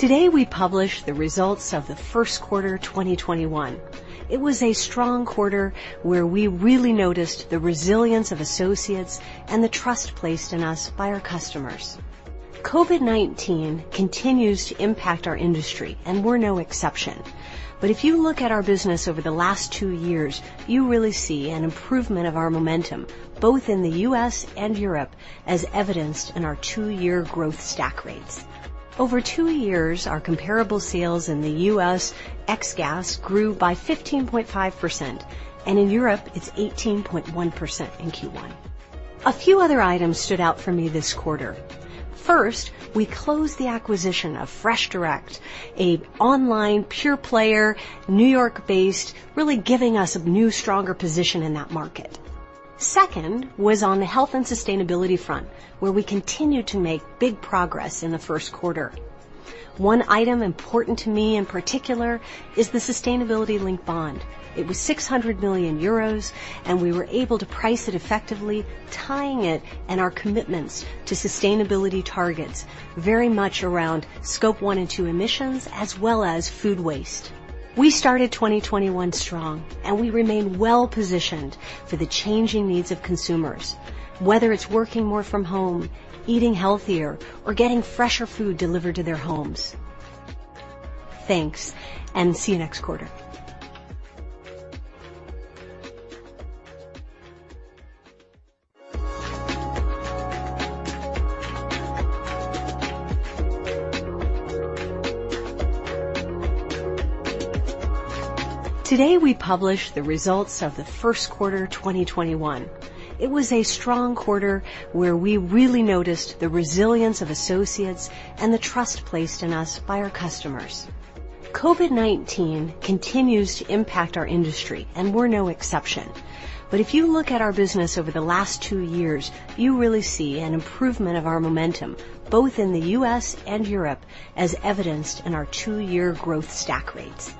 Today we publish the results of the first quarter 2021. It was a strong quarter, where we really noticed the resilience of associates and the trust placed in us by our customers. COVID-19 continues to impact our industry, and we're no exception. If you look at our business over the last two years, you really see an improvement of our momentum, both in the U.S. and Europe, as evidenced in our two-year growth stack rates. Over two years, our comparable sales in the U.S., ex gas, grew by 15.5%, and in Europe, it's 18.1% in Q1. A few other items stood out for me this quarter. First, we closed the acquisition of FreshDirect, an online pure player, New York-based, really giving us a new, stronger position in that market. Second was on the health and sustainability front, where we continue to make big progress in the first quarter. One item important to me in particular is the sustainability-linked bond. It was 600 million euros, and we were able to price it effectively, tying it and our commitments to sustainability targets very much around Scope 1 and 2 emissions, as well as food waste. We started 2021 strong, and we remain well-positioned for the changing needs of consumers, whether it's working more from home, eating healthier, or getting fresher food delivered to their homes. Thanks, and see you next quarter. Today we publish the results of the first quarter 2021. It was a strong quarter, where we really noticed the resilience of associates and the trust placed in us by our customers. COVID-19 continues to impact our industry, and we're no exception. If you look at our business over the last two years, you really see an improvement of our momentum, both in the U.S. and Europe, as evidenced in our two-year growth stack rates.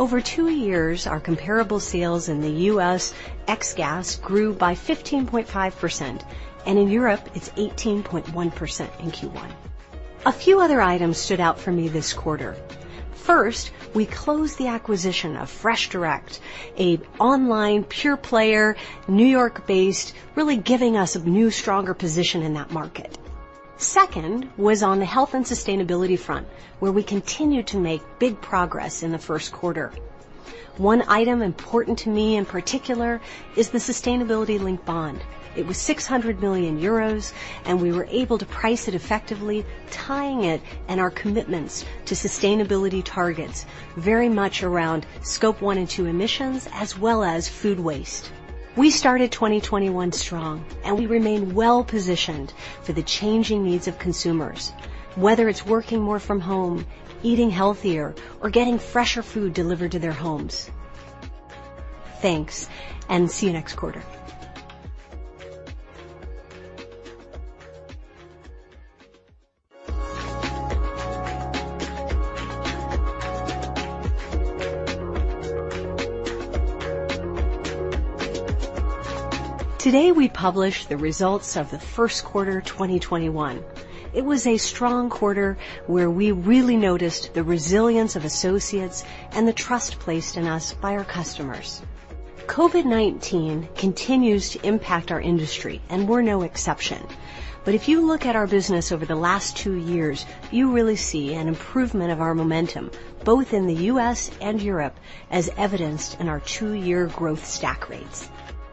Over two years, our comparable sales in the U.S., ex gas, grew by 15.5%, and in Europe, it's 18.1% in Q1. A few other items stood out for me this quarter. First, we closed the acquisition of FreshDirect,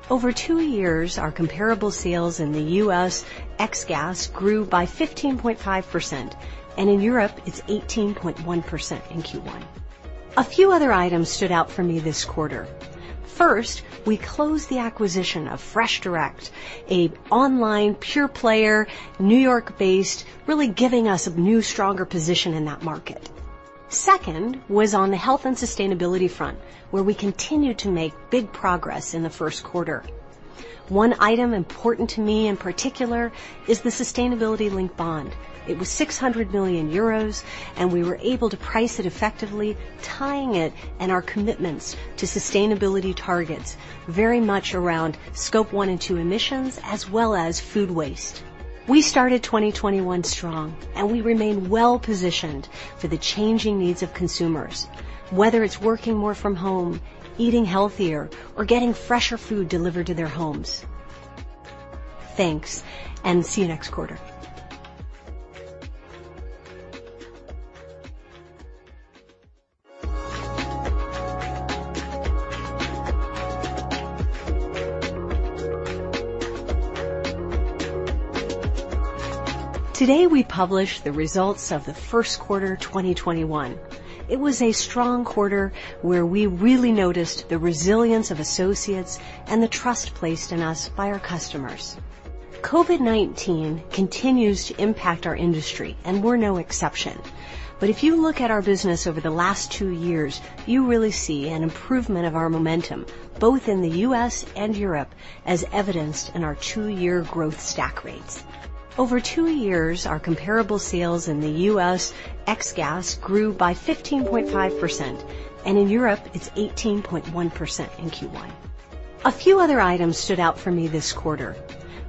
an online pure player, New York-based, really giving us a new, stronger position in that market. Second was on the health and sustainability front, where we continue to make big progress in the first quarter. One item important to me in particular is the sustainability-linked bond. It was 600 million euros, we were able to price it effectively, tying it and our commitments to sustainability targets very much around Scope 1 and 2 emissions, as well as food waste. We started 2021 strong, we remain well-positioned for the changing needs of consumers, whether it's working more from home, eating healthier, or getting fresher food delivered to their homes. Thanks, see you next quarter. Today we publish the results of the first quarter 2021. It was a strong quarter, where we really noticed the resilience of associates and the trust placed in us by our customers. COVID-19 continues to impact our industry, we're no exception. If you look at our business over the last two years, you really see an improvement of our momentum, both in the U.S. and Europe, as evidenced in our two-year growth stack rates. Over two years, our comparable sales in the U.S., ex gas, grew by 15.5%, and in Europe, it's 18.1% in Q1. A few other items stood out for me this quarter.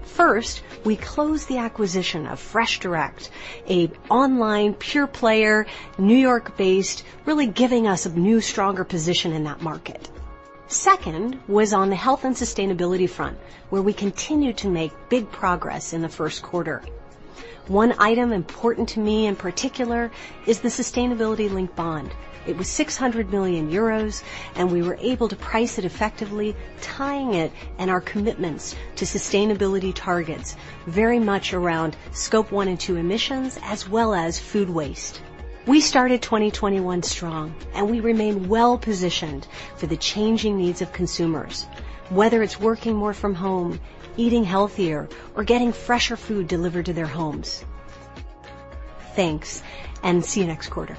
First, we closed the acquisition of FreshDirect, an online pure player, New York-based, really giving us a new, stronger position in that market. Second was on the health and sustainability front, where we continue to make big progress in the first quarter. One item important to me in particular is the sustainability-linked bond. It was 600 million euros, and we were able to price it effectively, tying it and our commitments to sustainability targets very much around Scope 1 and 2 emissions, as well as food waste. We started 2021 strong, and we remain well-positioned for the changing needs of consumers, whether it's working more from home, eating healthier, or getting fresher food delivered to their homes. Thanks, and see you next quarter.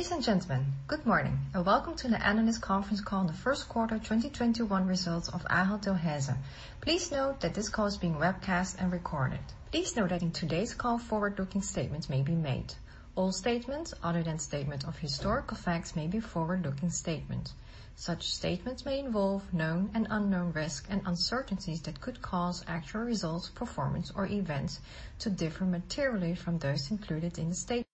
Ladies and gentlemen, good morning, welcome to the analyst conference call, the first quarter 2021 results of Ahold Delhaize. Please note that this call is being webcast and recorded. Please note that in today's call, forward-looking statements may be made. All statements other than statement of historical facts may be forward-looking statements. Such statements may involve known and unknown risks and uncertainties that could cause actual results, performance, or events to differ materially from those included in the statement.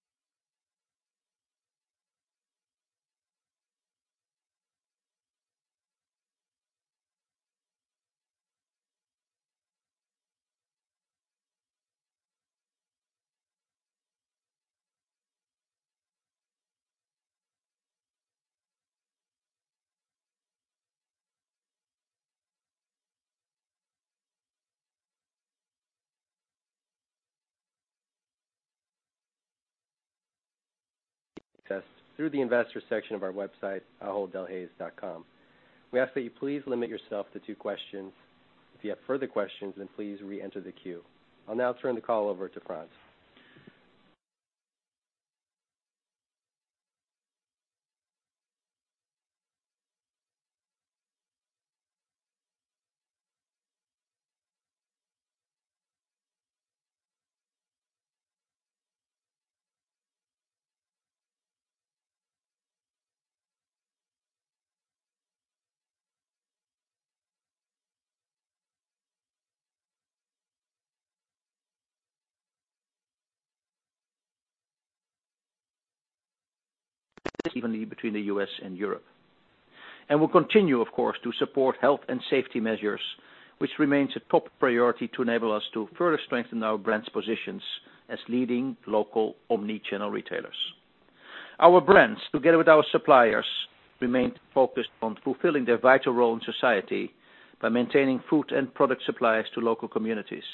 Through the investor section of our website, aholddelhaize.com. We ask that you please limit yourself to two questions. If you have further questions, please re-enter the queue. I'll now turn the call over to Frans. Evenly between the U.S. and Europe. We'll continue, of course, to support health and safety measures, which remains a top priority to enable us to further strengthen our brands' positions as leading local omni-channel retailers. Our brands, together with our suppliers, remain focused on fulfilling their vital role in society by maintaining food and product supplies to local communities.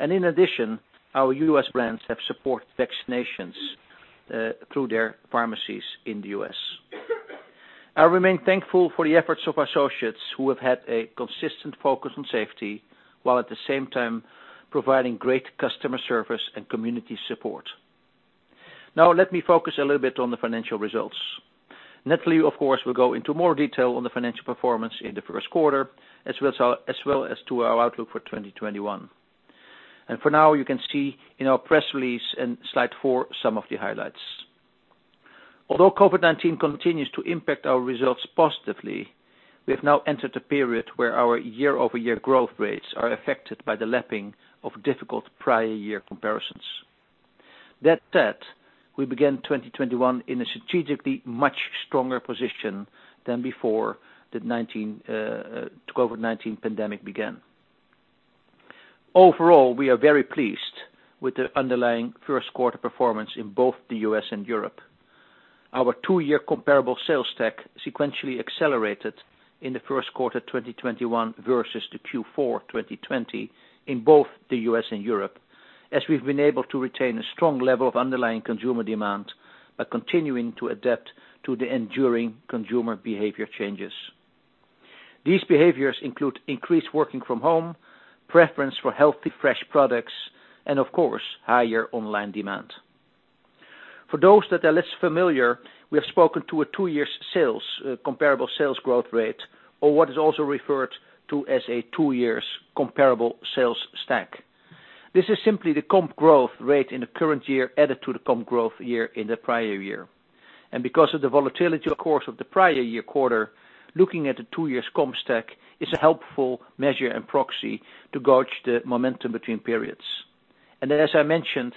In addition, our U.S. brands have supported vaccinations through their pharmacies in the U.S. I remain thankful for the efforts of associates who have had a consistent focus on safety while at the same time providing great customer service and community support. Now let me focus a little bit on the financial results. Natalie, of course, will go into more detail on the financial performance in the first quarter, as well as to our outlook for 2021. For now, you can see in our press release in slide four some of the highlights. Although COVID-19 continues to impact our results positively, we have now entered a period where our year-over-year growth rates are affected by the lapping of difficult prior year comparisons. That said, we began 2021 in a strategically much stronger position than before the COVID-19 pandemic began. Overall, we are very pleased with the underlying first quarter performance in both the U.S. and Europe. Our two-year comparable sales stack sequentially accelerated in the first quarter 2021 versus the Q4 2020 in both the U.S. and Europe, as we've been able to retain a strong level of underlying consumer demand by continuing to adapt to the enduring consumer behavior changes. These behaviors include increased working from home, preference for healthy, fresh products, and of course, higher online demand. For those that are less familiar, we have spoken to a two years comparable sales growth rate, or what is also referred to as a two years comparable sales stack. This is simply the comp growth rate in the current year added to the comp growth year in the prior year. Because of the volatility, of course, of the prior year quarter, looking at the two years comp stack is a helpful measure and proxy to gauge the momentum between periods. As I mentioned,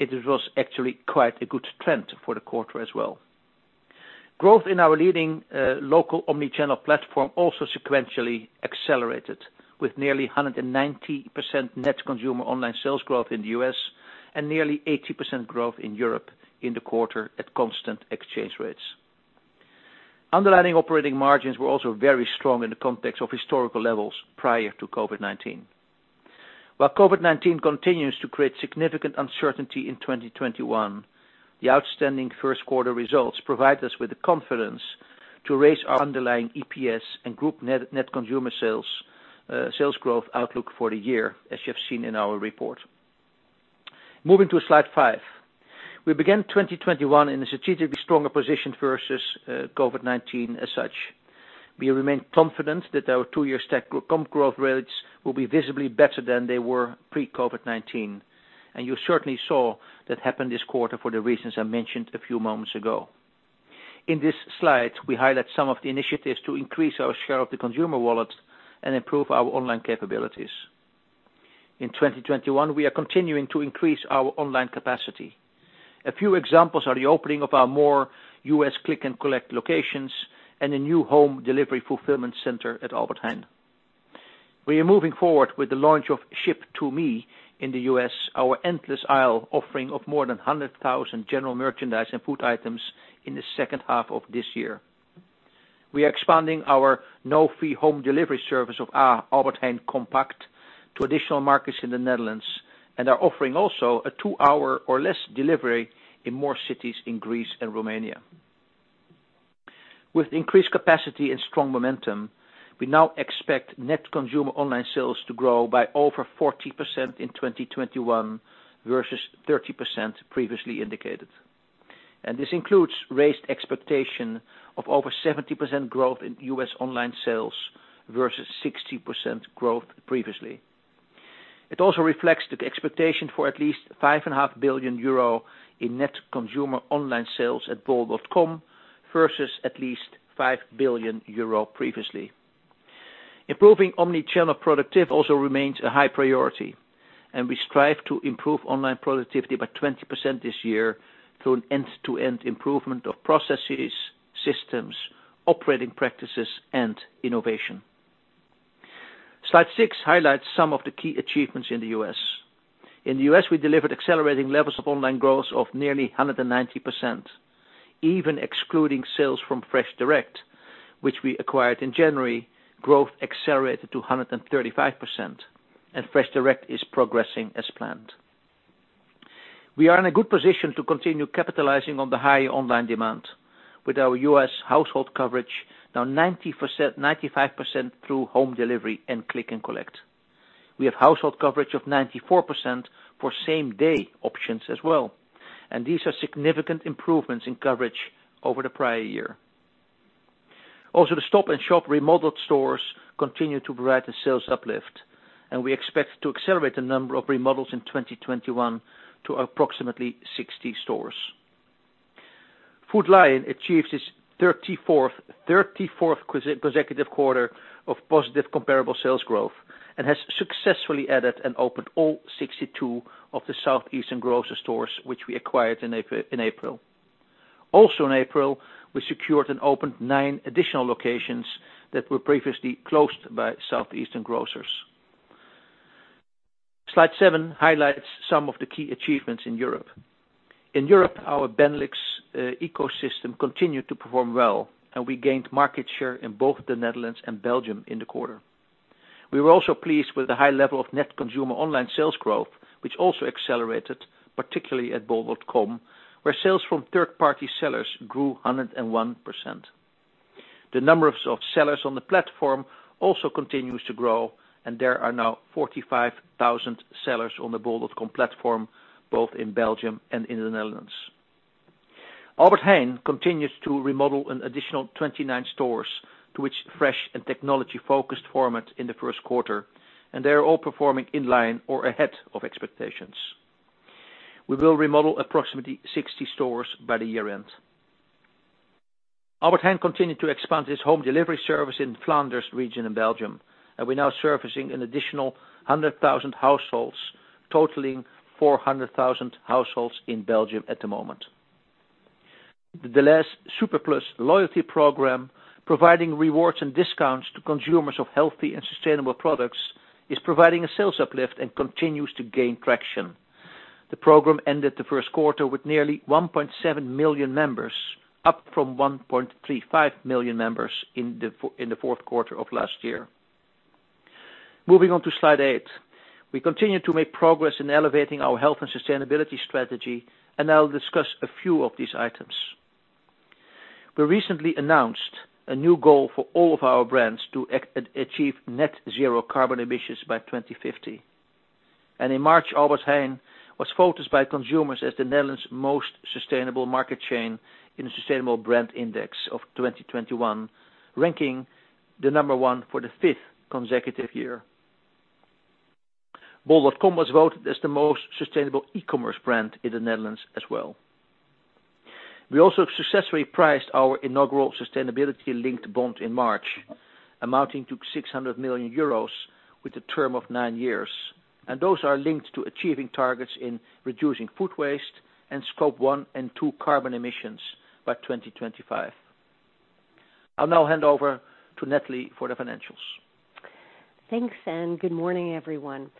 it was actually quite a good trend for the quarter as well. Growth in our leading local omni-channel platform also sequentially accelerated with nearly 190% net consumer online sales growth in the U.S., and nearly 80% growth in Europe in the quarter at constant exchange rates. Underlying operating margins were also very strong in the context of historical levels prior to COVID-19. While COVID-19 continues to create significant uncertainty in 2021, the outstanding first quarter results provide us with the confidence to raise our underlying EPS and group net consumer sales growth outlook for the year, as you have seen in our report. Moving to slide five. We began 2021 in a strategically stronger position versus COVID-19 as such. We remain confident that our two-year comp growth rates will be visibly better than they were pre-COVID-19, and you certainly saw that happen this quarter for the reasons I mentioned a few moments ago. In this slide, we highlight some of the initiatives to increase our share of the consumer wallet and improve our online capabilities. In 2021, we are continuing to increase our online capacity. A few examples are the opening of our more U.S. click and collect locations and a new home delivery fulfillment center at Albert Heijn. We are moving forward with the launch of Ship2Me in the U.S., our endless aisle offering of more than 100,000 general merchandise and food items in the second half of this year. We are expanding our no-fee home delivery service of AH Compact to additional markets in the Netherlands, and are offering also a two-hour or less delivery in more cities in Greece and Romania. With increased capacity and strong momentum, we now expect net consumer online sales to grow by over 40% in 2021 versus 30% previously indicated. This includes raised expectation of over 70% growth in U.S. online sales versus 60% growth previously. It also reflects the expectation for at least 5.5 billion euro in net consumer online sales at bol.com versus at least 5 billion euro previously. Improving omni-channel productivity also remains a high priority. We strive to improve online productivity by 20% this year through an end-to-end improvement of processes, systems, operating practices, and innovation. Slide six highlights some of the key achievements in the U.S. In the U.S., we delivered accelerating levels of online growth of nearly 190%. Even excluding sales from FreshDirect, which we acquired in January, growth accelerated to 135%. FreshDirect is progressing as planned. We are in a good position to continue capitalizing on the high online demand with our U.S. household coverage now 95% through home delivery and click and collect. We have household coverage of 94% for same-day options as well, and these are significant improvements in coverage over the prior year. The Stop & Shop remodeled stores continue to provide a sales uplift, and we expect to accelerate the number of remodels in 2021 to approximately 60 stores. Food Lion achieves its 34th consecutive quarter of positive comparable sales growth and has successfully added and opened all 62 of the Southeastern Grocers stores, which we acquired in April. In April, we secured and opened nine additional locations that were previously closed by Southeastern Grocers. Slide seven highlights some of the key achievements in Europe. In Europe, our Benelux ecosystem continued to perform well, and we gained market share in both the Netherlands and Belgium in the quarter. We were also pleased with the high level of net consumer online sales growth, which also accelerated, particularly at bol.com, where sales from third-party sellers grew 101%. The numbers of sellers on the platform also continues to grow, and there are now 45,000 sellers on the bol.com platform, both in Belgium and in the Netherlands. Albert Heijn continues to remodel an additional 29 stores to its fresh and technology-focused format in the first quarter, and they are all performing in line or ahead of expectations. We will remodel approximately 60 stores by the year-end. Albert Heijn continued to expand its home delivery service in the Flanders region in Belgium, and we're now servicing an additional 100,000 households, totaling 400,000 households in Belgium at the moment. The Delhaize SuperPlus loyalty program, providing rewards and discounts to consumers of healthy and sustainable products, is providing a sales uplift and continues to gain traction. The program ended the first quarter with nearly 1.7 million members, up from 1.35 million members in the fourth quarter of last year. Moving on to slide eight. We continue to make progress in elevating our health and sustainability strategy, and I'll discuss a few of these items. We recently announced a new goal for all of our brands to achieve net zero carbon emissions by 2050. In March, Albert Heijn was voted by consumers as the Netherlands' most sustainable market chain in the Sustainable Brand Index of 2021, ranking the number one for the fifth consecutive year. bol.com was voted as the most sustainable e-commerce brand in the Netherlands as well. We also successfully priced our inaugural sustainability-linked bond in March, amounting to 600 million euros with a term of nine years. Those are linked to achieving targets in reducing food waste and Scope 1 and 2 carbon emissions by 2025. I'll now hand over to Natalie for the financials. Thanks, good morning, everyone.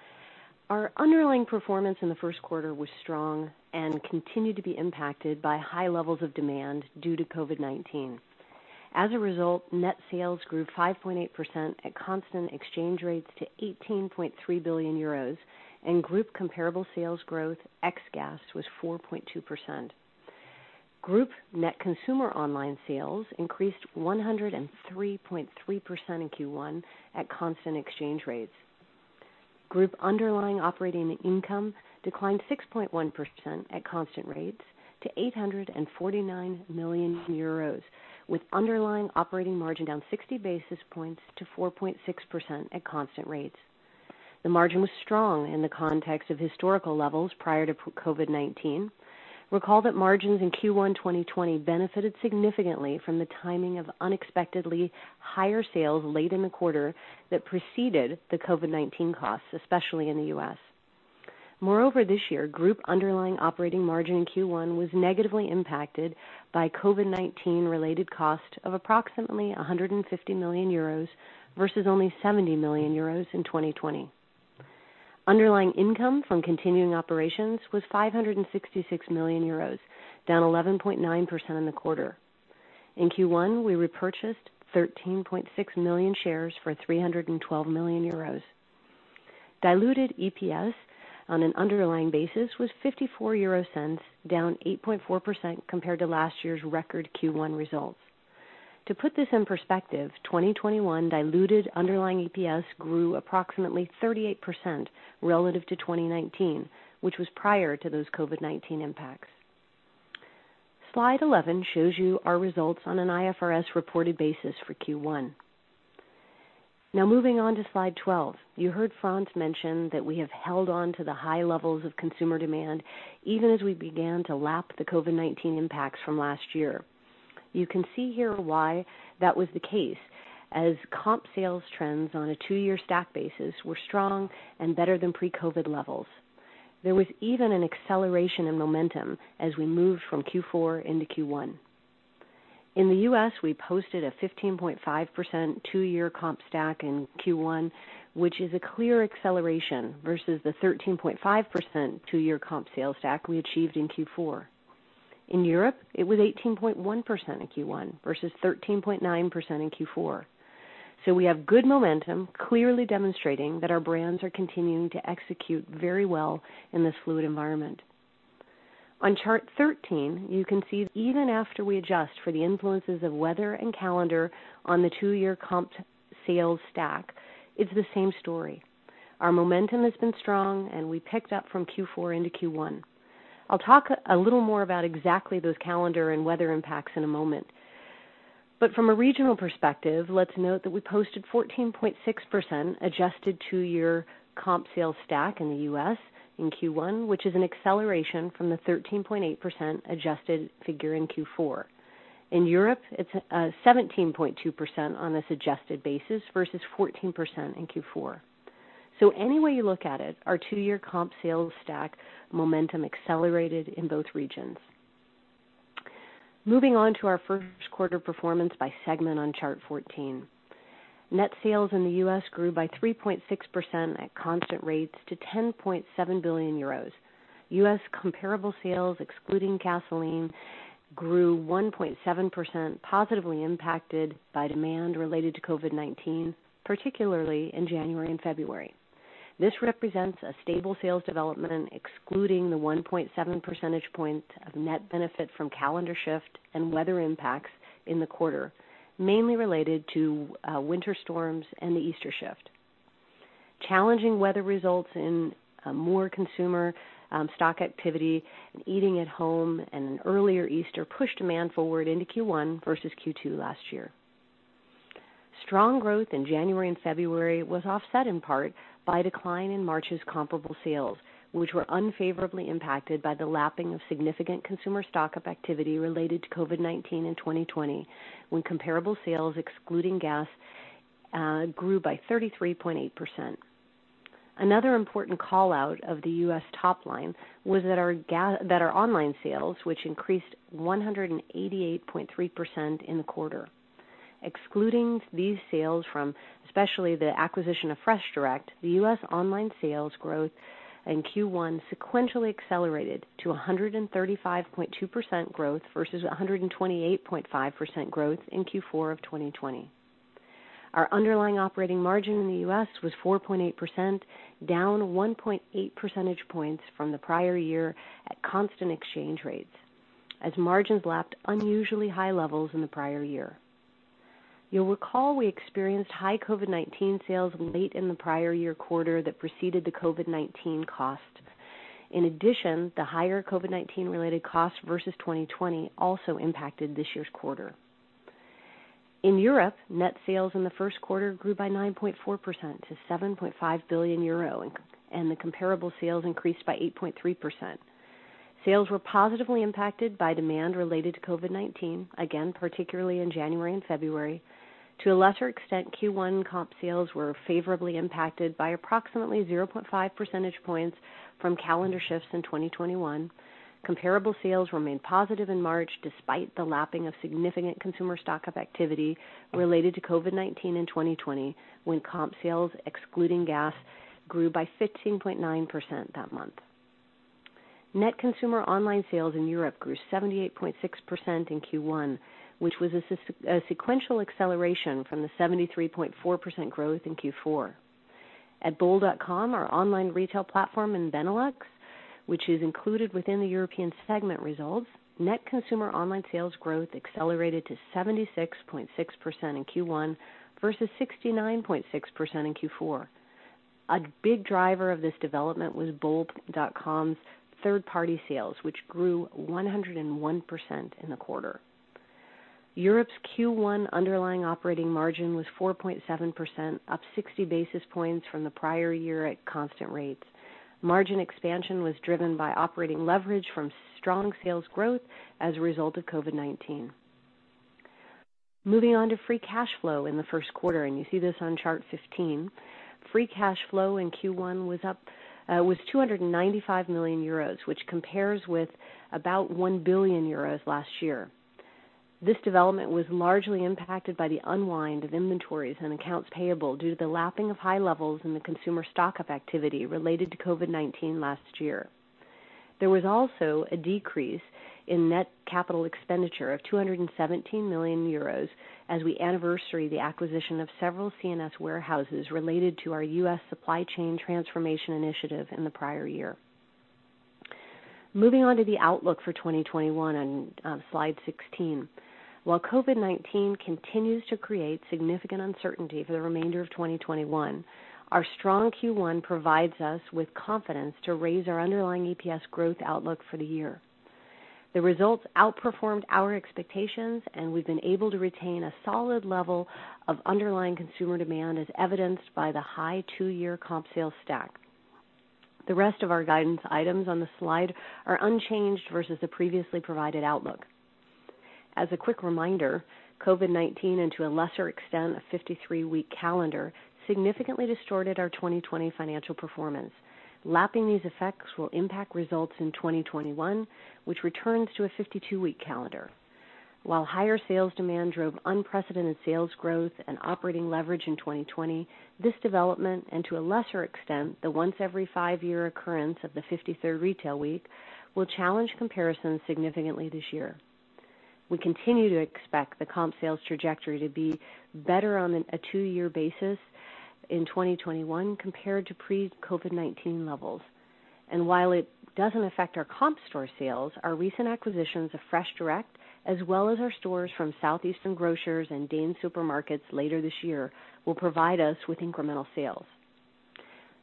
Our underlying performance in the first quarter was strong and continued to be impacted by high levels of demand due to COVID-19. Net sales grew 5.8% at constant exchange rates to 18.3 billion euros, group comparable sales growth ex gas was 4.2%. Group net consumer online sales increased 103.3% in Q1 at constant exchange rates. Group underlying operating income declined 6.1% at constant rates to 849 million euros, with underlying operating margin down 60 basis points to 4.6% at constant rates. The margin was strong in the context of historical levels prior to COVID-19. Recall that margins in Q1 2020 benefited significantly from the timing of unexpectedly higher sales late in the quarter that preceded the COVID-19 costs, especially in the U.S. This year, group underlying operating margin in Q1 was negatively impacted by COVID-19 related cost of approximately 150 million euros versus only 70 million euros in 2020. Underlying income from continuing operations was 566 million euros, down 11.9% in the quarter. In Q1, we repurchased 13.6 million shares for 312 million euros. Diluted EPS on an underlying basis was 0.54, down 8.4% compared to last year's record Q1 results. To put this in perspective, 2021 diluted underlying EPS grew approximately 38% relative to 2019, which was prior to those COVID-19 impacts. Slide 11 shows you our results on an IFRS reported basis for Q1. Moving on to slide 12. You heard Frans mention that we have held on to the high levels of consumer demand even as we began to lap the COVID-19 impacts from last year. You can see here why that was the case, as comp sales trends on a two-year stack basis were strong and better than pre-COVID levels. There was even an acceleration in momentum as we moved from Q4 into Q1. In the U.S. we posted a 15.5% two-year comp stack in Q1, which is a clear acceleration versus the 13.5% two-year comp sales stack we achieved in Q4. In Europe, it was 18.1% in Q1 versus 13.9% in Q4. We have good momentum, clearly demonstrating that our brands are continuing to execute very well in this fluid environment. On chart 13, you can see even after we adjust for the influences of weather and calendar on the two-year comp sales stack, it's the same story. Our momentum has been strong, we picked up from Q4 into Q1. I'll talk a little more about exactly those calendar and weather impacts in a moment. From a regional perspective let's note that we posted 14.6% adjusted two-year comp sales stack in the U.S. in Q1, which is an acceleration from the 13.8% adjusted figure in Q4. In Europe, it's 17.2% on this adjusted basis versus 14% in Q4. Any way you look at it, our two-year comp sales stack momentum accelerated in both regions. Moving on to our first quarter performance by segment on chart 14. Net sales in the U.S. grew by 3.6% at constant rates to 10.7 billion euros. U.S. comparable sales excluding gasoline, grew 1.7% positively impacted by demand related to COVID-19, particularly in January and February. This represents a stable sales development, excluding the 1.7 percentage points of net benefit from calendar shift and weather impacts in the quarter, mainly related to winter storms and the Easter shift. Challenging weather results in more consumer stock activity and eating at home, and an earlier Easter pushed demand forward into Q1 versus Q2 last year. Strong growth in January and February was offset in part by a decline in March's comparable sales, which were unfavorably impacted by the lapping of significant consumer stock-up activity related to COVID-19 in 2020, when comparable sales excluding gas, grew by 33.8%. Another important call-out of the U.S. top line was that our online sales, which increased 188.3% in the quarter. Excluding these sales from especially the acquisition of FreshDirect, the U.S. online sales growth in Q1 sequentially accelerated to 135.2% growth versus 128.5% growth in Q4 of 2020. Our underlying operating margin in the U.S. was 4.8%, down 1.8 percentage points from the prior year at constant exchange rates as margins lapped unusually high levels in the prior year. You'll recall we experienced high COVID-19 sales late in the prior year quarter that preceded the COVID-19 costs. In addition, the higher COVID-19 related costs versus 2020 also impacted this year's quarter. In Europe, net sales in the first quarter grew by 9.4% to 7.5 billion euro, and the comparable sales increased by 8.3%. Sales were positively impacted by demand related to COVID-19, again, particularly in January and February. To a lesser extent, Q1 comp sales were favorably impacted by approximately 0.5 percentage points from calendar shifts in 2021. Comparable sales remained positive in March despite the lapping of significant consumer stock-up activity related to COVID-19 in 2020 when comp sales excluding gas grew by 15.9% that month. Net consumer online sales in Europe grew 78.6% in Q1, which was a sequential acceleration from the 73.4% growth in Q4. At bol.com, our online retail platform in Benelux, which is included within the European segment results, net consumer online sales growth accelerated to 76.6% in Q1 versus 69.6% in Q4. A big driver of this development was bol.com's third-party sales, which grew 101% in the quarter. Europe's Q1 underlying operating margin was 4.7%, up 60 basis points from the prior year at constant rates. Margin expansion was driven by operating leverage from strong sales growth as a result of COVID-19. Moving on to free cash flow in the first quarter, you see this on chart 15. Free cash flow in Q1 was 295 million euros, which compares with about 1 billion euros last year. This development was largely impacted by the unwind of inventories and accounts payable due to the lapping of high levels in the consumer stock-up activity related to COVID-19 last year. There was also a decrease in net capital expenditure of 217 million euros as we anniversary the acquisition of several C&S warehouses related to our U.S. supply chain transformation initiative in the prior year. Moving on to the outlook for 2021 on slide 16. While COVID-19 continues to create significant uncertainty for the remainder of 2021, our strong Q1 provides us with confidence to raise our underlying EPS growth outlook for the year. The results outperformed our expectations, and we've been able to retain a solid level of underlying consumer demand, as evidenced by the high two-year comp sales stack. The rest of our guidance items on the slide are unchanged versus the previously provided outlook. As a quick reminder, COVID-19, and to a lesser extent, a 53-week calendar, significantly distorted our 2020 financial performance. Lapping these effects will impact results in 2021, which returns to a 52-week calendar. While higher sales demand drove unprecedented sales growth and operating leverage in 2020, this development, and to a lesser extent, the once every five-year occurrence of the 53rd retail week, will challenge comparisons significantly this year. We continue to expect the comp sales trajectory to be better on a two-year basis in 2021 compared to pre-COVID-19 levels. While it doesn't affect our comp store sales, our recent acquisitions of FreshDirect, as well as our stores from Southeastern Grocers and DEEN Supermarkets later this year, will provide us with incremental sales.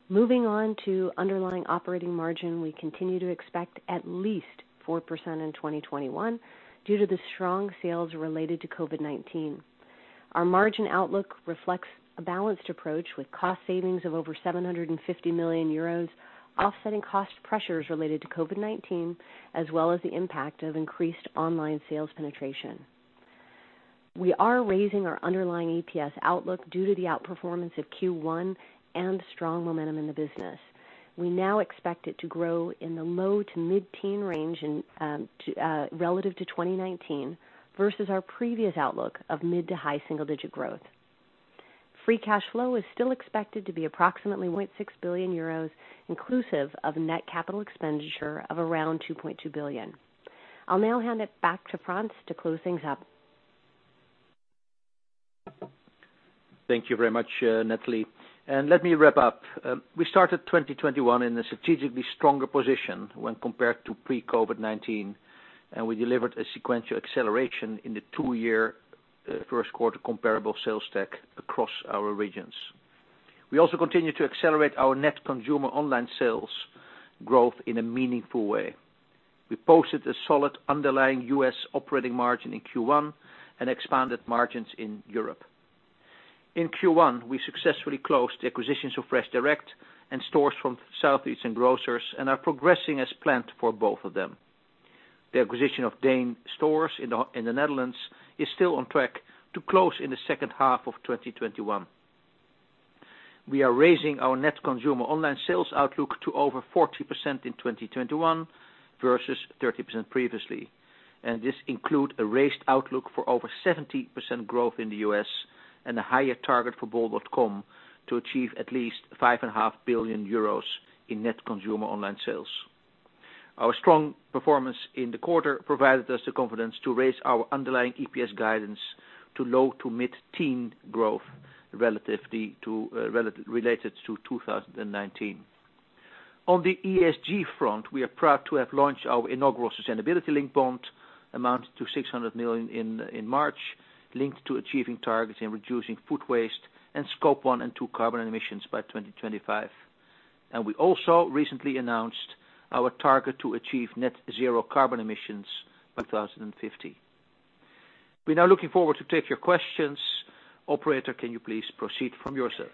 Moving on to underlying operating margin, we continue to expect at least 4% in 2021 due to the strong sales related to COVID-19. Our margin outlook reflects a balanced approach with cost savings of over 750 million euros, offsetting cost pressures related to COVID-19, as well as the impact of increased online sales penetration. We are raising our underlying EPS outlook due to the outperformance of Q1 and strong momentum in the business. We now expect it to grow in the low to mid-teen range relative to 2019 versus our previous outlook of mid to high single-digit growth. Free cash flow is still expected to be approximately 1.6 billion euros, inclusive of net CapEx of around 2.2 billion. I'll now hand it back to Frans to close things up. Thank you very much, Natalie. Let me wrap up. We started 2021 in a strategically stronger position when compared to pre-COVID-19, and we delivered a sequential acceleration in the two-year first quarter comparable sales stack across our regions. We also continue to accelerate our net consumer online sales growth in a meaningful way. We posted a solid underlying U.S. operating margin in Q1 and expanded margins in Europe. In Q1, we successfully closed the acquisitions of FreshDirect and stores from Southeastern Grocers and are progressing as planned for both of them. The acquisition of DEEN stores in the Netherlands is still on track to close in the second half of 2021. We are raising our net consumer online sales outlook to over 40% in 2021 versus 30% previously. This includes a raised outlook for over 70% growth in the U.S. and a higher target for bol.com to achieve at least 5.5 billion euros in net consumer online sales. Our strong performance in the quarter provided us the confidence to raise our underlying EPS guidance to low to mid-teen growth related to 2019. On the ESG front, we are proud to have launched our inaugural sustainability-linked bond, amounting to 600 million in March, linked to achieving targets in reducing food waste and Scope 1 and 2 carbon emissions by 2025. We also recently announced our target to achieve net zero carbon emissions by 2050. We're now looking forward to take your questions. Operator, can you please proceed from your side?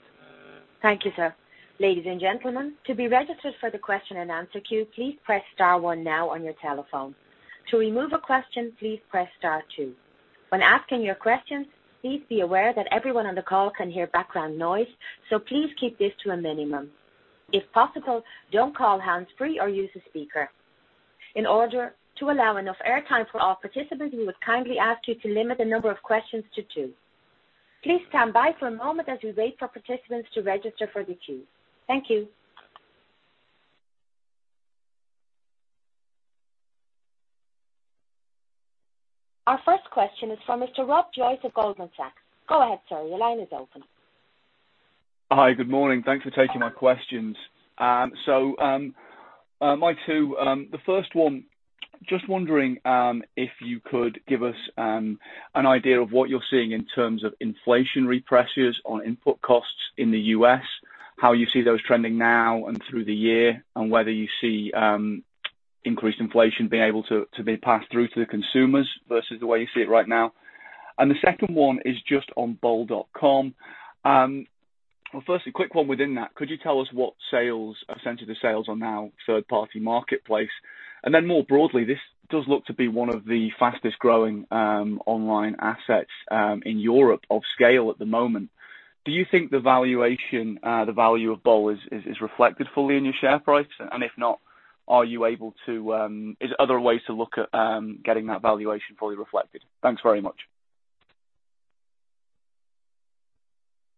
Thank you, sir. Ladies and gentlemen, to be registered for the question and answer queue, please press star one now on your telephone. To remove a question, please press star two. When asking your questions, please be aware that everyone on the call can hear background noise, so please keep this to a minimum. If possible, don't call hands-free or use a speaker. In order to allow enough air time for all participants, we would kindly ask you to limit the number of questions to two. Please stand by for a moment as we wait for participants to register for the queue. Thank you. Our first question is from Mr. Rob Joyce at Goldman Sachs. Go ahead, sir. Your line is open. Hi, good morning. Thanks for taking my questions. My two, the first one, just wondering if you could give us an idea of what you're seeing in terms of inflationary pressures on input costs in the U.S., how you see those trending now and through the year, and whether you see increased inflation being able to be passed through to the consumers versus the way you see it right now. The second one is just on bol.com. Well, firstly, quick one within that, could you tell us what percent of sales are now third party marketplace? More broadly, this does look to be one of the fastest growing online assets in Europe of scale at the moment. Do you think the value of Bol is reflected fully in your share price? If not, is there other ways to look at getting that valuation fully reflected? Thanks very much.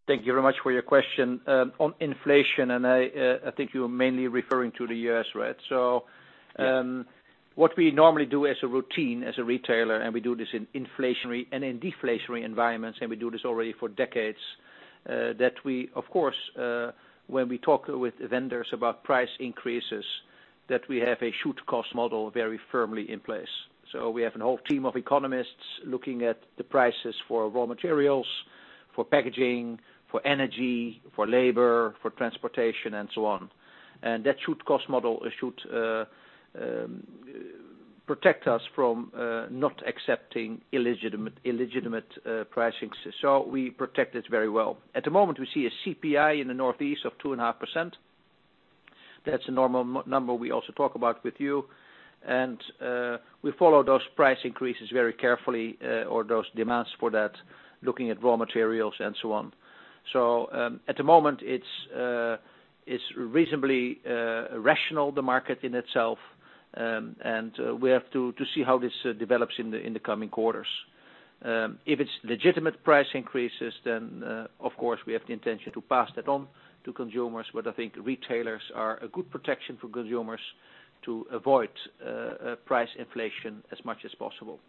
Thank you very much for your question. On inflation, and I think you're mainly referring to the U.S., right? Yes. What we normally do as a routine as a retailer, and we do this in inflationary and in deflationary environments, and we do this already for decades, that we, of course, when we talk with vendors about price increases, that we have a should-cost model very firmly in place. We have a whole team of economists looking at the prices for raw materials, for packaging, for energy, for labor, for transportation, and so on. That should-cost model should protect us from not accepting illegitimate pricings. We protect it very well. At the moment, we see a CPI in the Northeast of 2.5%. That's a normal number we also talk about with you. We follow those price increases very carefully or those demands for that, looking at raw materials and so on. At the moment, it's reasonably rational, the market in itself, and we have to see how this develops in the coming quarters. If it's legitimate price increases, of course, we have the intention to pass that on to consumers. I think retailers are a good protection for consumers to avoid price inflation as much as possible.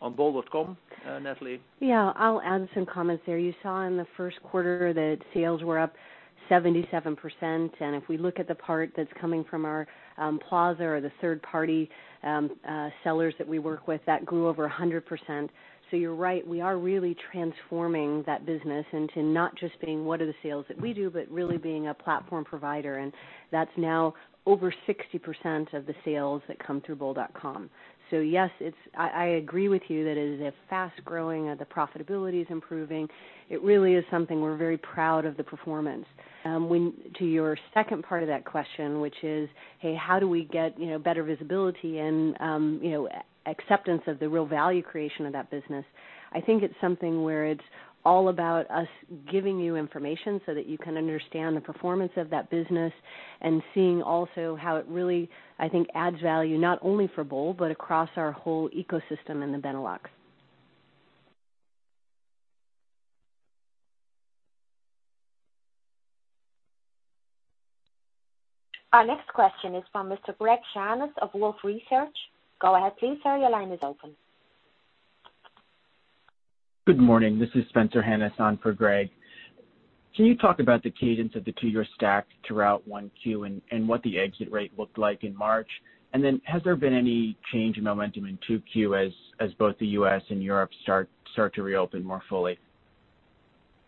On bol.com, Natalie? Yeah. I'll add some comments there. You saw in the first quarter that sales were up 77%, and if we look at the part that's coming from our Plaza or the third party sellers that we work with, that grew over 100%. You're right, we are really transforming that business into not just being what are the sales that we do, but really being a platform provider, and that's now over 60% of the sales that come through bol.com. Yes, I agree with you that it is fast-growing, the profitability is improving. It really is something we're very proud of the performance. To your second part of that question, which is, hey, how do we get better visibility and acceptance of the real value creation of that business? I think it's something where it's all about us giving you information so that you can understand the performance of that business and seeing also how it really, I think, adds value not only for Bol, but across our whole ecosystem in the Benelux. Our next question is from Mr. Greg Shannon of Wolfe Research. Go ahead, please, sir, your line is open. Good morning. This is Spencer Hanus on for Greg. Can you talk about the cadence of the two-year stack throughout 1Q and what the exit rate looked like in March? Has there been any change in momentum in 2Q as both the U.S. and Europe start to reopen more fully?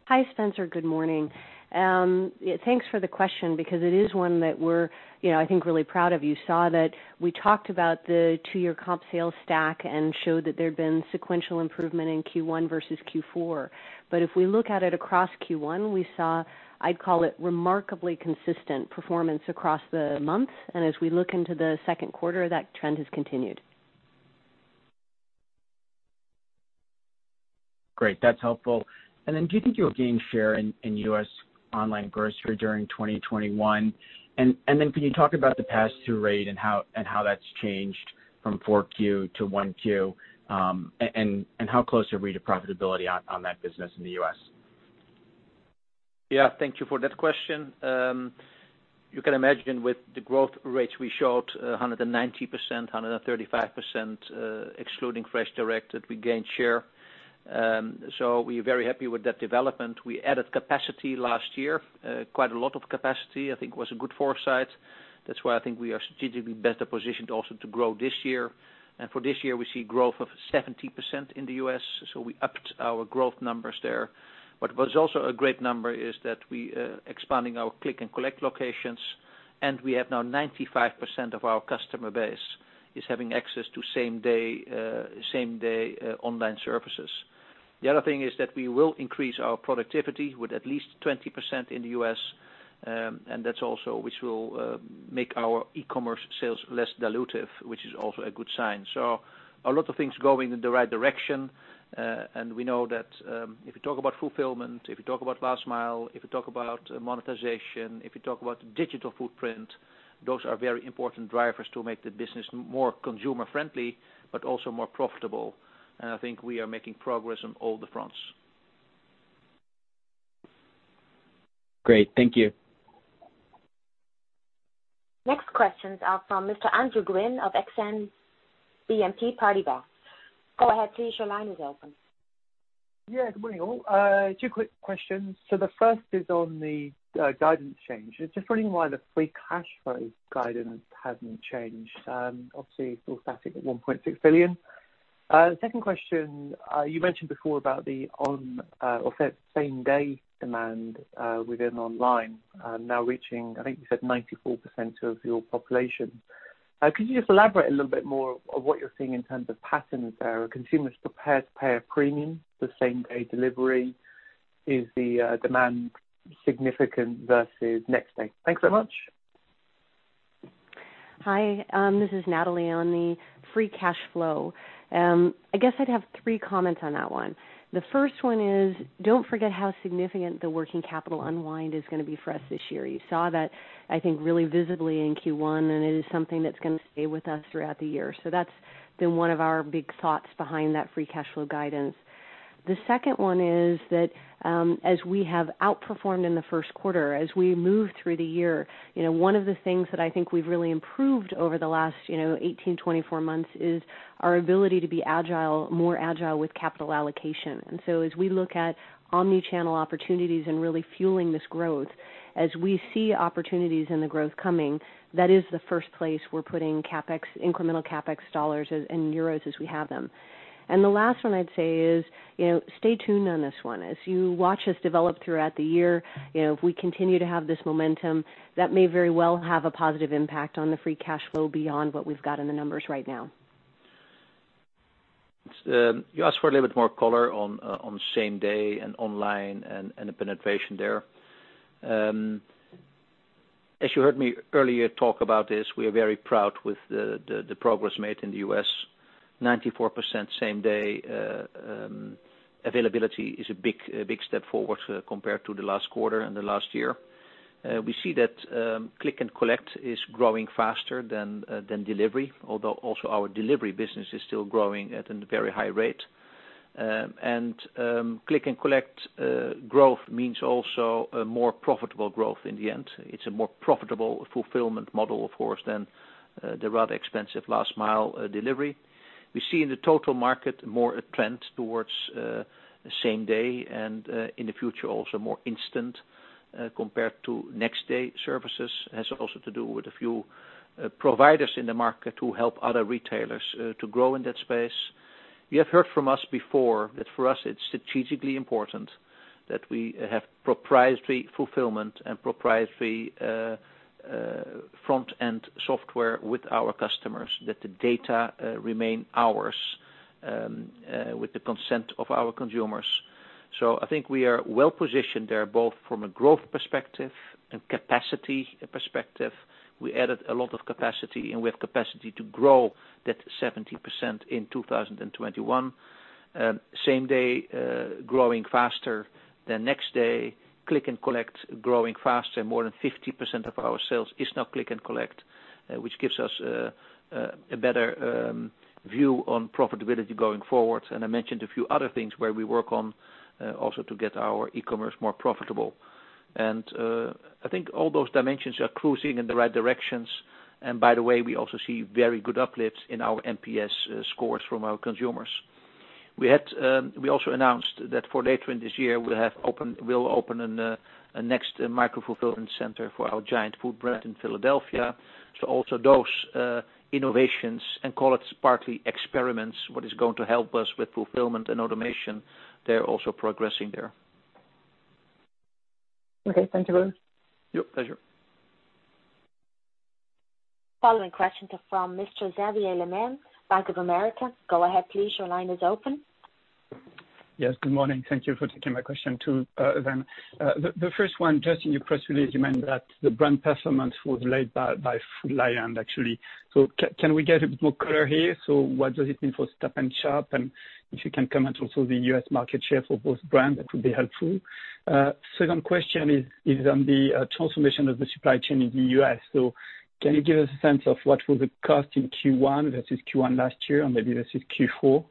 Hi, Spencer. Good morning. Thanks for the question because it is one that we're, I think, really proud of. You saw that we talked about the two-year comp sales stack and showed that there had been sequential improvement in Q1 versus Q4. If we look at it across Q1, we saw, I'd call it, remarkably consistent performance across the months. As we look into the second quarter, that trend has continued. Great. That's helpful. Do you think you'll gain share in U.S. online grocery during 2021? Can you talk about the pass-through rate and how that's changed from Q4 to Q1, and how close are we to profitability on that business in the U.S.? Thank you for that question. You can imagine with the growth rates we showed, 190%, 135%, excluding FreshDirect, that we gained share. We're very happy with that development. We added capacity last year, quite a lot of capacity. I think it was a good foresight. That's why I think we are strategically better positioned also to grow this year. For this year, we see growth of 70% in the U.S., we upped our growth numbers there. What was also a great number is that we expanding our click and collect locations, we have now 95% of our customer base is having access to same-day online services. The other thing is that we will increase our productivity with at least 20% in the U.S., that's also which will make our e-commerce sales less dilutive, which is also a good sign. A lot of things going in the right direction. We know that, if you talk about fulfillment, if you talk about last mile, if you talk about monetization, if you talk about digital footprint, those are very important drivers to make the business more consumer friendly, but also more profitable. I think we are making progress on all the fronts. Great. Thank you. Next questions are from Mr. Andrew Gwynn of Exane BNP Paribas. Go ahead, please. Your line is open. Yeah, good morning, all. Two quick questions. The first is on the guidance change. Just wondering why the free cash flow guidance hasn't changed. Obviously, it's still static at 1.6 billion. Second question, you mentioned before about the same-day demand within online now reaching, I think you said 94% of your population. Could you just elaborate a little bit more of what you're seeing in terms of patterns there? Are consumers prepared to pay a premium for same-day delivery? Is the demand significant versus next day? Thanks very much. Hi, this is Natalie on the free cash flow. I guess I'd have three comments on that one. The first one is, don't forget how significant the working capital unwind is going to be for us this year. You saw that, I think, really visibly in Q1, and it is something that's going to stay with us throughout the year. That's been one of our big thoughts behind that free cash flow guidance. The second one is that as we have outperformed in the first quarter, as we move through the year, one of the things that I think we've really improved over the last 18, 24 months, is our ability to be more agile with capital allocation. As we look at omni-channel opportunities and really fueling this growth, as we see opportunities in the growth coming, that is the first place we're putting incremental CapEx dollars and euros as we have them. The last one I'd say is, stay tuned on this one. As you watch us develop throughout the year, if we continue to have this momentum, that may very well have a positive impact on the free cash flow beyond what we've got in the numbers right now. You asked for a little bit more color on same day and online and the penetration there. As you heard me earlier talk about this, we are very proud with the progress made in the U.S., 94% same day availability is a big step forward compared to the last quarter and the last year. We see that click and collect is growing faster than delivery, although also our delivery business is still growing at a very high rate. Click and collect growth means also a more profitable growth in the end. It's a more profitable fulfillment model, of course, than the rather expensive last mile delivery. We see in the total market more a trend towards same day and in the future also more instant compared to next day services. It has also to do with a few providers in the market who help other retailers to grow in that space. You have heard from us before that for us it's strategically important that we have proprietary fulfillment and proprietary front-end software with our customers, that the data remain ours with the consent of our consumers. I think we are well-positioned there, both from a growth perspective and capacity perspective. We added a lot of capacity, and we have capacity to grow that 70% in 2021. Same day growing faster than next day, click and collect growing faster. More than 50% of our sales is now click and collect, which gives us a better view on profitability going forward. I mentioned a few other things where we work on also to get our e-commerce more profitable. I think all those dimensions are cruising in the right directions. By the way, we also see very good uplifts in our NPS scores from our consumers. We also announced that for later in this year, we'll open a next micro-fulfillment center for our Giant Food brand in Philadelphia. Also those innovations, and call it partly experiments, what is going to help us with fulfillment and automation, they're also progressing there. Okay. Thank you, Frans. Yep, pleasure. Following question from Mr. Xavier Le Mené, Bank of America. Go ahead, please. Your line is open. Yes, good morning. Thank you for taking my question too. First one, just in your press release, you mentioned that the brand performance was led by Food Lion, actually. Can we get a bit more color here? What does it mean for Stop & Shop? If you can comment also the U.S. market share for both brands, that would be helpful. Second question is on the transformation of the supply chain in the U.S. Can you give us a sense of what was the cost in Q1 versus Q1 last year, and maybe versus Q4?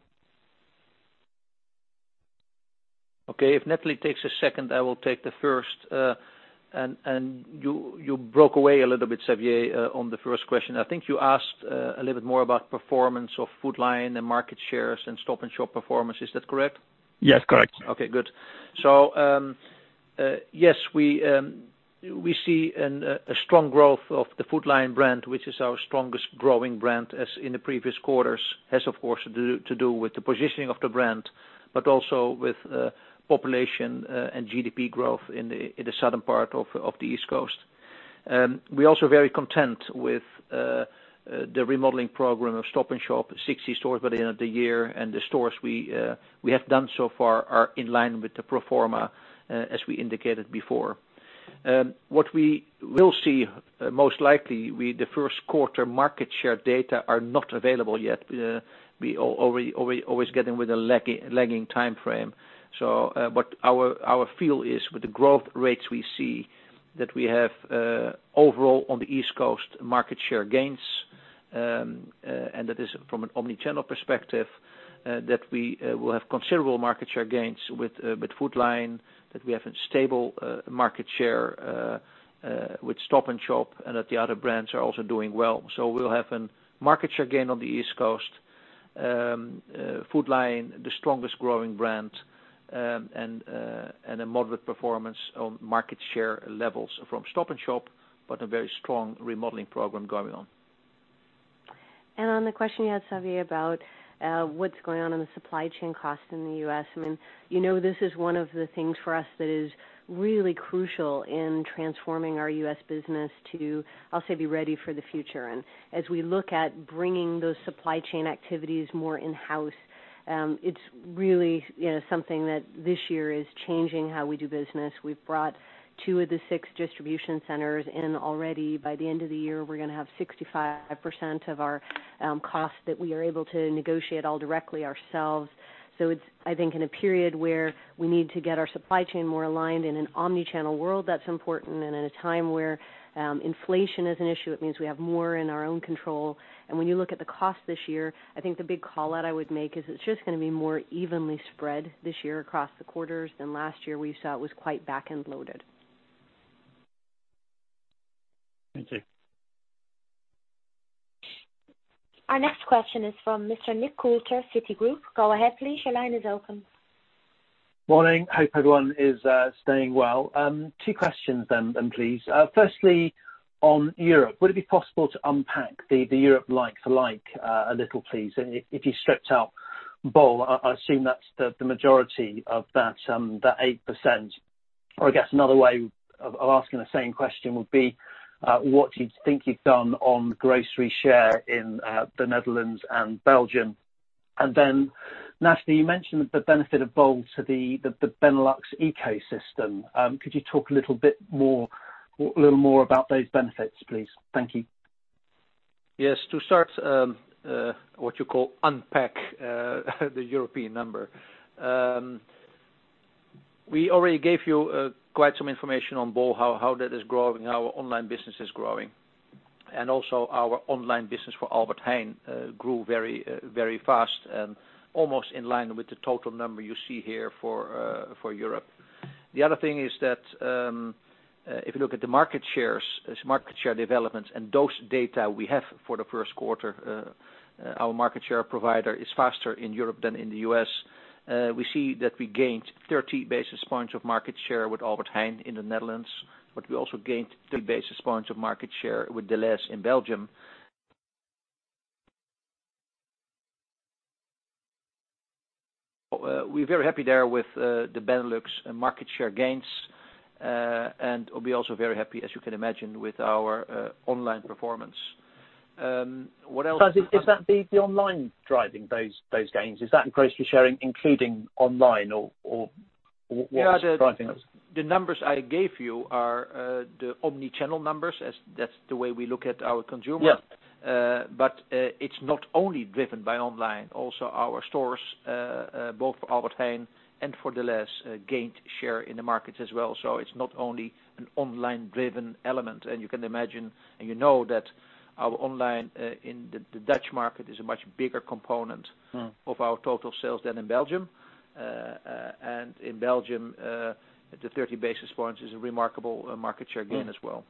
Okay. If Natalie takes a second, I will take the first. You broke away a little bit, Xavier, on the first question. I think you asked a little bit more about performance of Food Lion and market shares and Stop & Shop performance. Is that correct? Yes, correct. Good. Yes, we see a strong growth of the Food Lion brand, which is our strongest growing brand as in the previous quarters. It has, of course, to do with the positioning of the brand, but also with population and GDP growth in the southern part of the East Coast. We're also very content with the remodeling program of Stop & Shop, 60 stores by the end of the year. The stores we have done so far are in line with the pro forma, as we indicated before. What we will see, most likely, the first quarter market share data are not available yet. We always get them with a lagging timeframe. What our feel is with the growth rates we see, that we have overall on the East Coast, market share gains, and that is from an omni-channel perspective, that we will have considerable market share gains with Food Lion, that we have a stable market share with Stop & Shop, and that the other brands are also doing well. We'll have a market share gain on the East Coast. Food Lion, the strongest growing brand, and a moderate performance on market share levels from Stop & Shop, but a very strong remodeling program going on. On the question you had, Xavier, about what's going on in the supply chain cost in the U.S., this is one of the things for us that is really crucial in transforming our U.S. business to, I'll say, be ready for the future. As we look at bringing those supply chain activities more in-house, it's really something that this year is changing how we do business. We've brought two of the six distribution centers in already. By the end of the year, we're going to have 65% of our cost that we are able to negotiate all directly ourselves. It's, I think, in a period where we need to get our supply chain more aligned in an omni-channel world, that's important, and in a time where inflation is an issue, it means we have more in our own control. When you look at the cost this year, I think the big call-out I would make is it's just going to be more evenly spread this year across the quarters than last year, where you saw it was quite back-end loaded. Thank you. Our next question is from Mr. Nick Coulter, Citigroup. Go ahead, please. Your line is open. Morning. Hope everyone is staying well. Two questions, please. Firstly, on Europe, would it be possible to unpack the Europe like for like a little, please? If you stripped out Bol, I assume that's the majority of that 8%. I guess another way of asking the same question would be, what do you think you've done on grocery share in the Netherlands and Belgium? Natalie, you mentioned the benefit of Bol to the Benelux ecosystem. Could you talk a little bit more about those benefits, please? Thank you. Yes. To start, what you call unpack the European number. We already gave you quite some information on Bol, how that is growing, how our online business is growing, and also our online business for Albert Heijn grew very fast and almost in line with the total number you see here for Europe. The other thing is that, if you look at the market shares, market share developments and those data we have for the first quarter, our market share provider is faster in Europe than in the U.S. We see that we gained 30 basis points of market share with Albert Heijn in the Netherlands, but we also gained 30 basis points of market share with Delhaize in Belgium. We are very happy there with the Benelux market share gains. We'll be also very happy, as you can imagine, with our online performance. Is that the online driving those gains? Is that grocery sharing, including online, or what's driving those? The numbers I gave you are the omni-channel numbers, as that's the way we look at our consumer. It's not only driven by online, also our stores, both for Albert Heijn and for Delhaize, gained share in the markets as well. It's not only an online driven element, and you can imagine, and you know that our online in the Dutch market is a much bigger component of our total sales than in Belgium. In Belgium, the 30 basis points is a remarkable market share gain as well.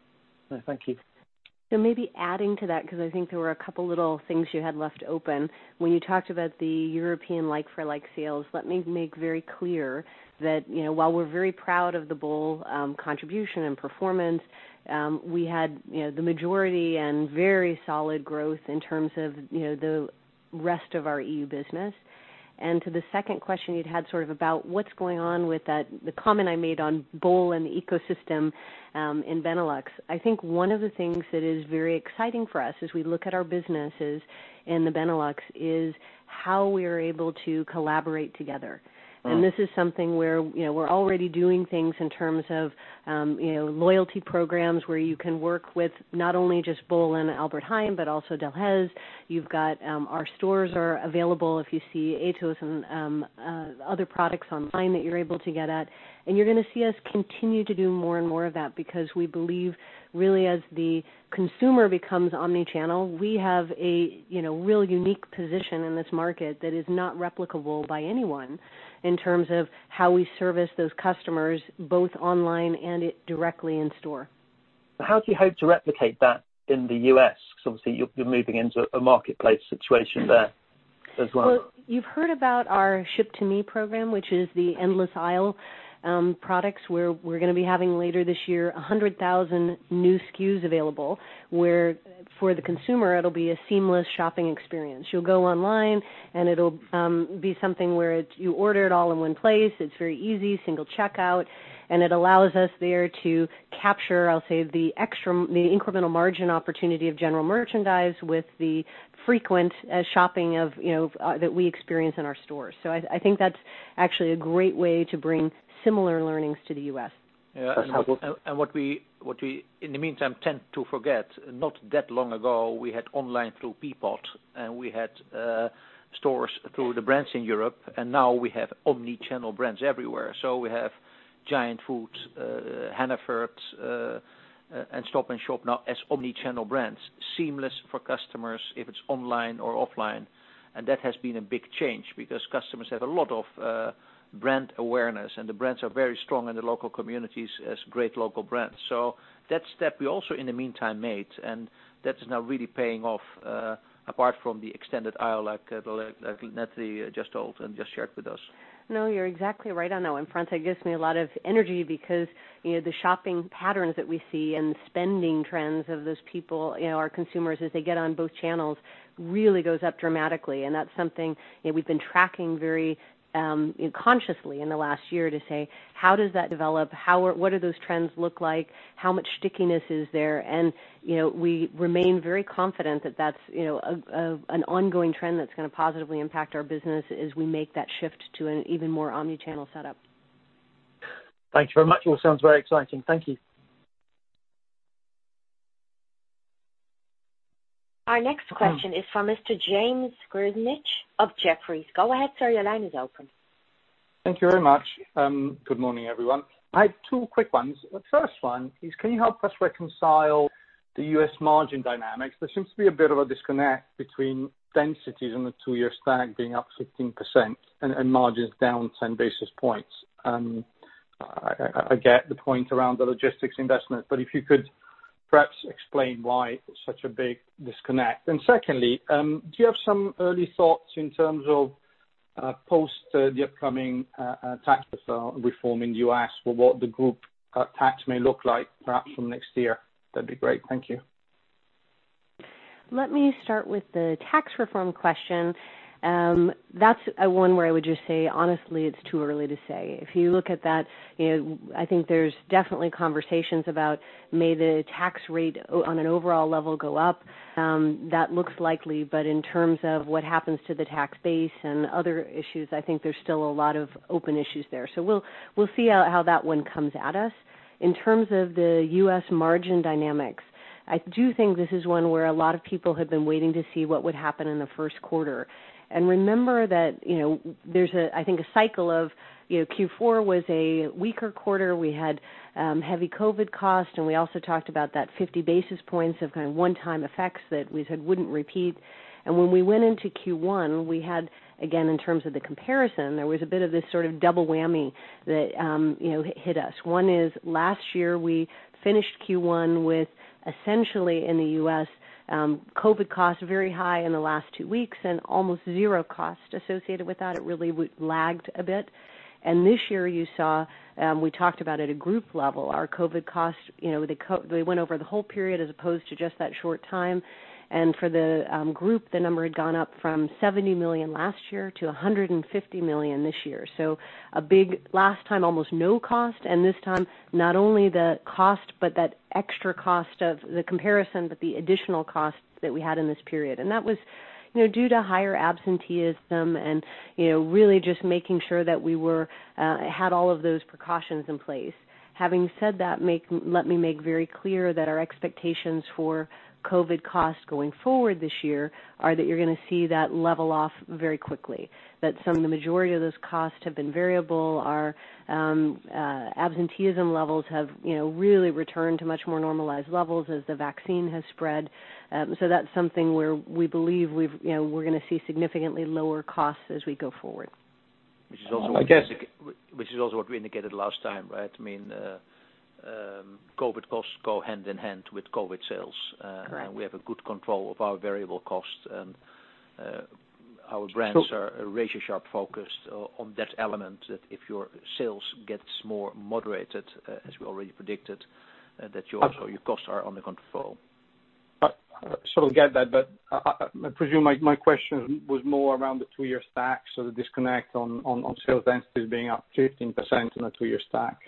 Thank you. Maybe adding to that, because I think there were a couple little things you had left open. When you talked about the European like for like sales, let me make very clear that while we're very proud of the Bol contribution and performance, we had the majority and very solid growth in terms of the rest of our EU business. To the second question you'd had sort of about what's going on with that, the comment I made on Bol and the ecosystem in Benelux, I think one of the things that is very exciting for us as we look at our businesses in the Benelux is how we are able to collaborate together. This is something where we're already doing things in terms of loyalty programs where you can work with not only just Bol and Albert Heijn, but also Delhaize. You've got our stores are available if you see AH products and other products online that you're able to get at, and you're going to see us continue to do more and more of that because we believe really as the consumer becomes omni-channel, we have a real unique position in this market that is not replicable by anyone in terms of how we service those customers, both online and directly in store. How do you hope to replicate that in the U.S.? Because obviously you're moving into a marketplace situation there as well. You've heard about our Ship2Me program, which is the endless aisle products, where we're going to be having later this year 100,000 new SKUs available, where for the consumer, it'll be a seamless shopping experience. You'll go online and it'll be something where you order it all in one place. It's very easy, single checkout, and it allows us there to capture, I'll say, the incremental margin opportunity of general merchandise with the frequent shopping that we experience in our stores. I think that's actually a great way to bring similar learnings to the U.S. Yeah. What we, in the meantime, tend to forget, not that long ago, we had online through Peapod and we had stores through the brands in Europe, and now we have omni-channel brands everywhere. We have Giant Food, Hannaford, and Stop & Shop now as omni-channel brands, seamless for customers if it's online or offline. That has been a big change because customers have a lot of brand awareness, and the brands are very strong in the local communities as great local brands. That step we also, in the meantime, made, and that is now really paying off, apart from the extended aisle, like Natalie just told and just shared with us. No, you're exactly right on that one, Frans, that gives me a lot of energy because the shopping patterns that we see and spending trends of those people, our consumers, as they get on both channels really goes up dramatically. That's something we've been tracking very consciously in the last year to say, how does that develop? What do those trends look like? How much stickiness is there? We remain very confident that that's an ongoing trend that's going to positively impact our business as we make that shift to an even more omni-channel setup. Thanks very much. All sounds very exciting. Thank you. Our next question is from Mr. James Grzinic of Jefferies. Go ahead, sir. Your line is open. Thank you very much. Good morning, everyone. I have two quick ones. The first one is, can you help us reconcile the U.S. margin dynamics? There seems to be a bit of a disconnect between densities on the two-year stack being up 15% and margins down 10 basis points. I get the point around the logistics investment, if you could perhaps explain why it's such a big disconnect. Secondly, do you have some early thoughts in terms of post the upcoming tax reform in the U.S. for what the group tax may look like, perhaps from next year? That'd be great. Thank you. Let me start with the tax reform question. That's one where I would just say, honestly, it's too early to say. If you look at that, I think there's definitely conversations about may the tax rate on an overall level go up. In terms of what happens to the tax base and other issues, I think there's still a lot of open issues there. We'll see how that one comes at us. In terms of the U.S. margin dynamics, I do think this is one where a lot of people have been waiting to see what would happen in the first quarter. Remember that there's, I think, a cycle of Q4 was a weaker quarter. We had heavy COVID cost, and we also talked about that 50 basis points of one-time effects that we said wouldn't repeat. When we went into Q1, we had, again, in terms of the comparison, there was a bit of this sort of double whammy that hit us. One is last year, we finished Q1 with essentially in the U.S., COVID-19 costs very high in the last two weeks and almost zero cost associated with that. It really lagged a bit. This year you saw, we talked about at a group level, our COVID-19 cost, they went over the whole period as opposed to just that short time. For the group, the number had gone up from 70 million last year to 150 million this year. A big last time, almost no cost, and this time, not only the cost, but that extra cost of the comparison, but the additional cost that we had in this period. That was due to higher absenteeism and really just making sure that we had all of those precautions in place. Having said that, let me make very clear that our expectations for COVID costs going forward this year are that you're going to see that level off very quickly, that some majority of those costs have been variable. Our absenteeism levels have really returned to much more normalized levels as the vaccine has spread. That's something where we believe we're going to see significantly lower costs as we go forward. Which is also what we indicated last time, right? I mean, COVID costs go hand in hand with COVID sales. Correct. We have a good control of our variable costs, and our brands are razor-sharp focused on that element, that if your sales gets more moderated, as we already predicted, that also your costs are under control. I sort of get that, I presume my question was more around the two-year stack, so the disconnect on sales densities being up 15% on a two-year stack.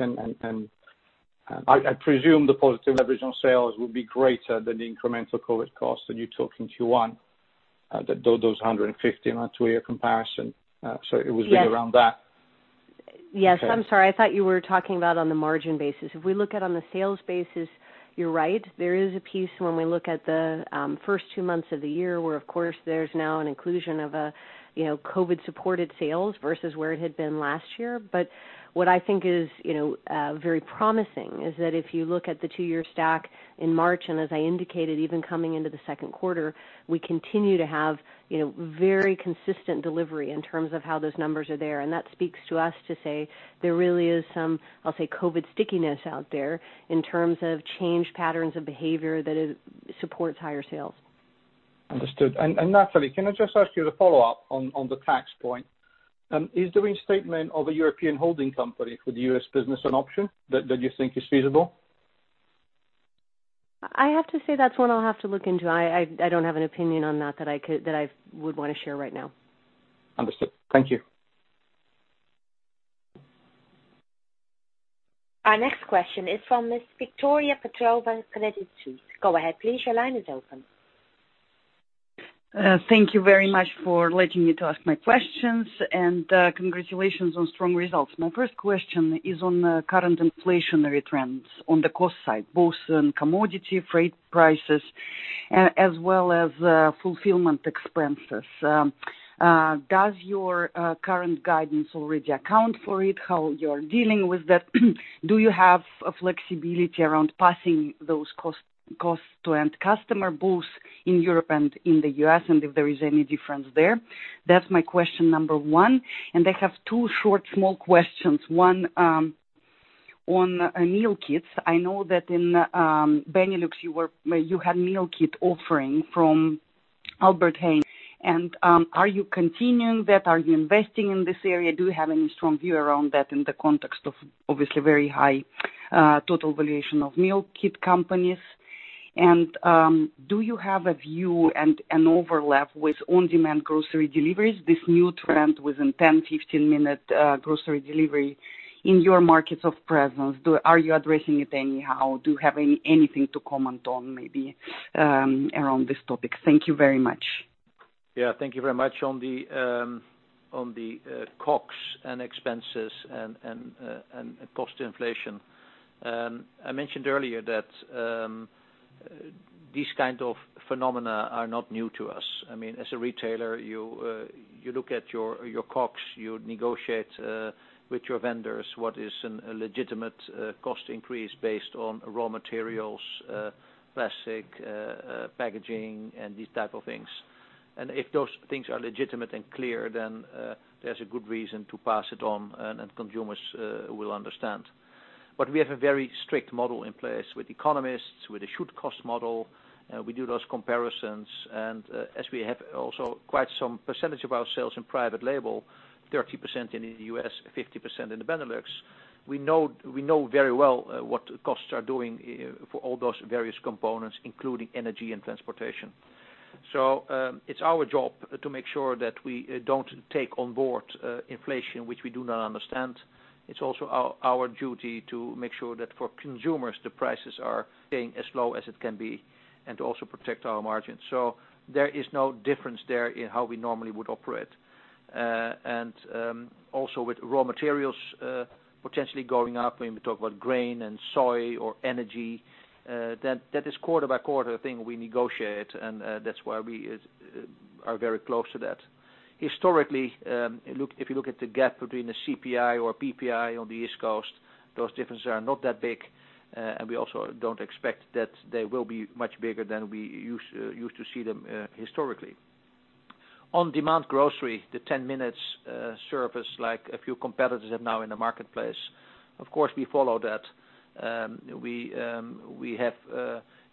I presume the positive leverage on sales would be greater than the incremental COVID cost that you took in Q1, those 150 on a two-year comparison. Yes. Really around that. Yes. I'm sorry. I thought you were talking about on the margin basis. We look at on the sales basis, you're right. There is a piece when we look at the first two months of the year, where, of course, there's now an inclusion of a COVID-supported sales versus where it had been last year. What I think is very promising is that if you look at the two-year stack in March, and as I indicated, even coming into the second quarter, we continue to have very consistent delivery in terms of how those numbers are there. That speaks to us to say there really is some, I'll say, COVID stickiness out there in terms of change patterns of behavior that it supports higher sales. Understood. Natalie, can I just ask you to follow up on the tax point? Is reinstatement of a European holding company for the U.S. business an option that you think is feasible? I have to say that's one I'll have to look into. I don't have an opinion on that that I would want to share right now. Understood. Thank you. Our next question is from Miss Viktoria Petrova, Credit Suisse. Go ahead, please. Your line is open. Thank you very much for letting me to ask my questions, and congratulations on strong results. My first question is on the current inflationary trends on the cost side, both in commodity, freight prices, as well as fulfillment expenses. Does your current guidance already account for it? How you're dealing with that? Do you have a flexibility around passing those costs to end customer, both in Europe and in the U.S., and if there is any difference there? That's my question number one. I have two short, small questions. One on meal kits. I know that in Benelux, you had meal kit offering from Albert Heijn. Are you continuing that? Are you investing in this area? Do you have any strong view around that in the context of obviously very high total valuation of meal kit companies? Do you have a view and an overlap with on-demand grocery deliveries, this new trend within 10, 15 minute grocery delivery in your markets of presence? Are you addressing it anyhow? Do you have anything to comment on maybe around this topic? Thank you very much. Yeah, thank you very much. On the COGS and expenses and cost inflation, I mentioned earlier that these kind of phenomena are not new to us. As a retailer, you look at your COGS, you negotiate with your vendors what is a legitimate cost increase based on raw materials, plastic, packaging, and these type of things. If those things are legitimate and clear, then there's a good reason to pass it on, and consumers will understand. We have a very strict model in place with economists, with a should-cost model. We do those comparisons, and as we have also quite some percentage of our sales in private label, 30% in the U.S., 50% in the Benelux, we know very well what costs are doing for all those various components, including energy and transportation. It's our job to make sure that we don't take on board inflation, which we do not understand. It's also our duty to make sure that for consumers, the prices are staying as low as it can be and to also protect our margins. There is no difference there in how we normally would operate. Also with raw materials potentially going up, when we talk about grain and soy or energy, that is quarter by quarter thing we negotiate, and that's why we are very close to that. Historically, if you look at the gap between the CPI or PPI on the East Coast, those differences are not that big, and we also don't expect that they will be much bigger than we used to see them historically. On demand grocery, the 10 minutes service like a few competitors have now in the marketplace, of course, we follow that. We have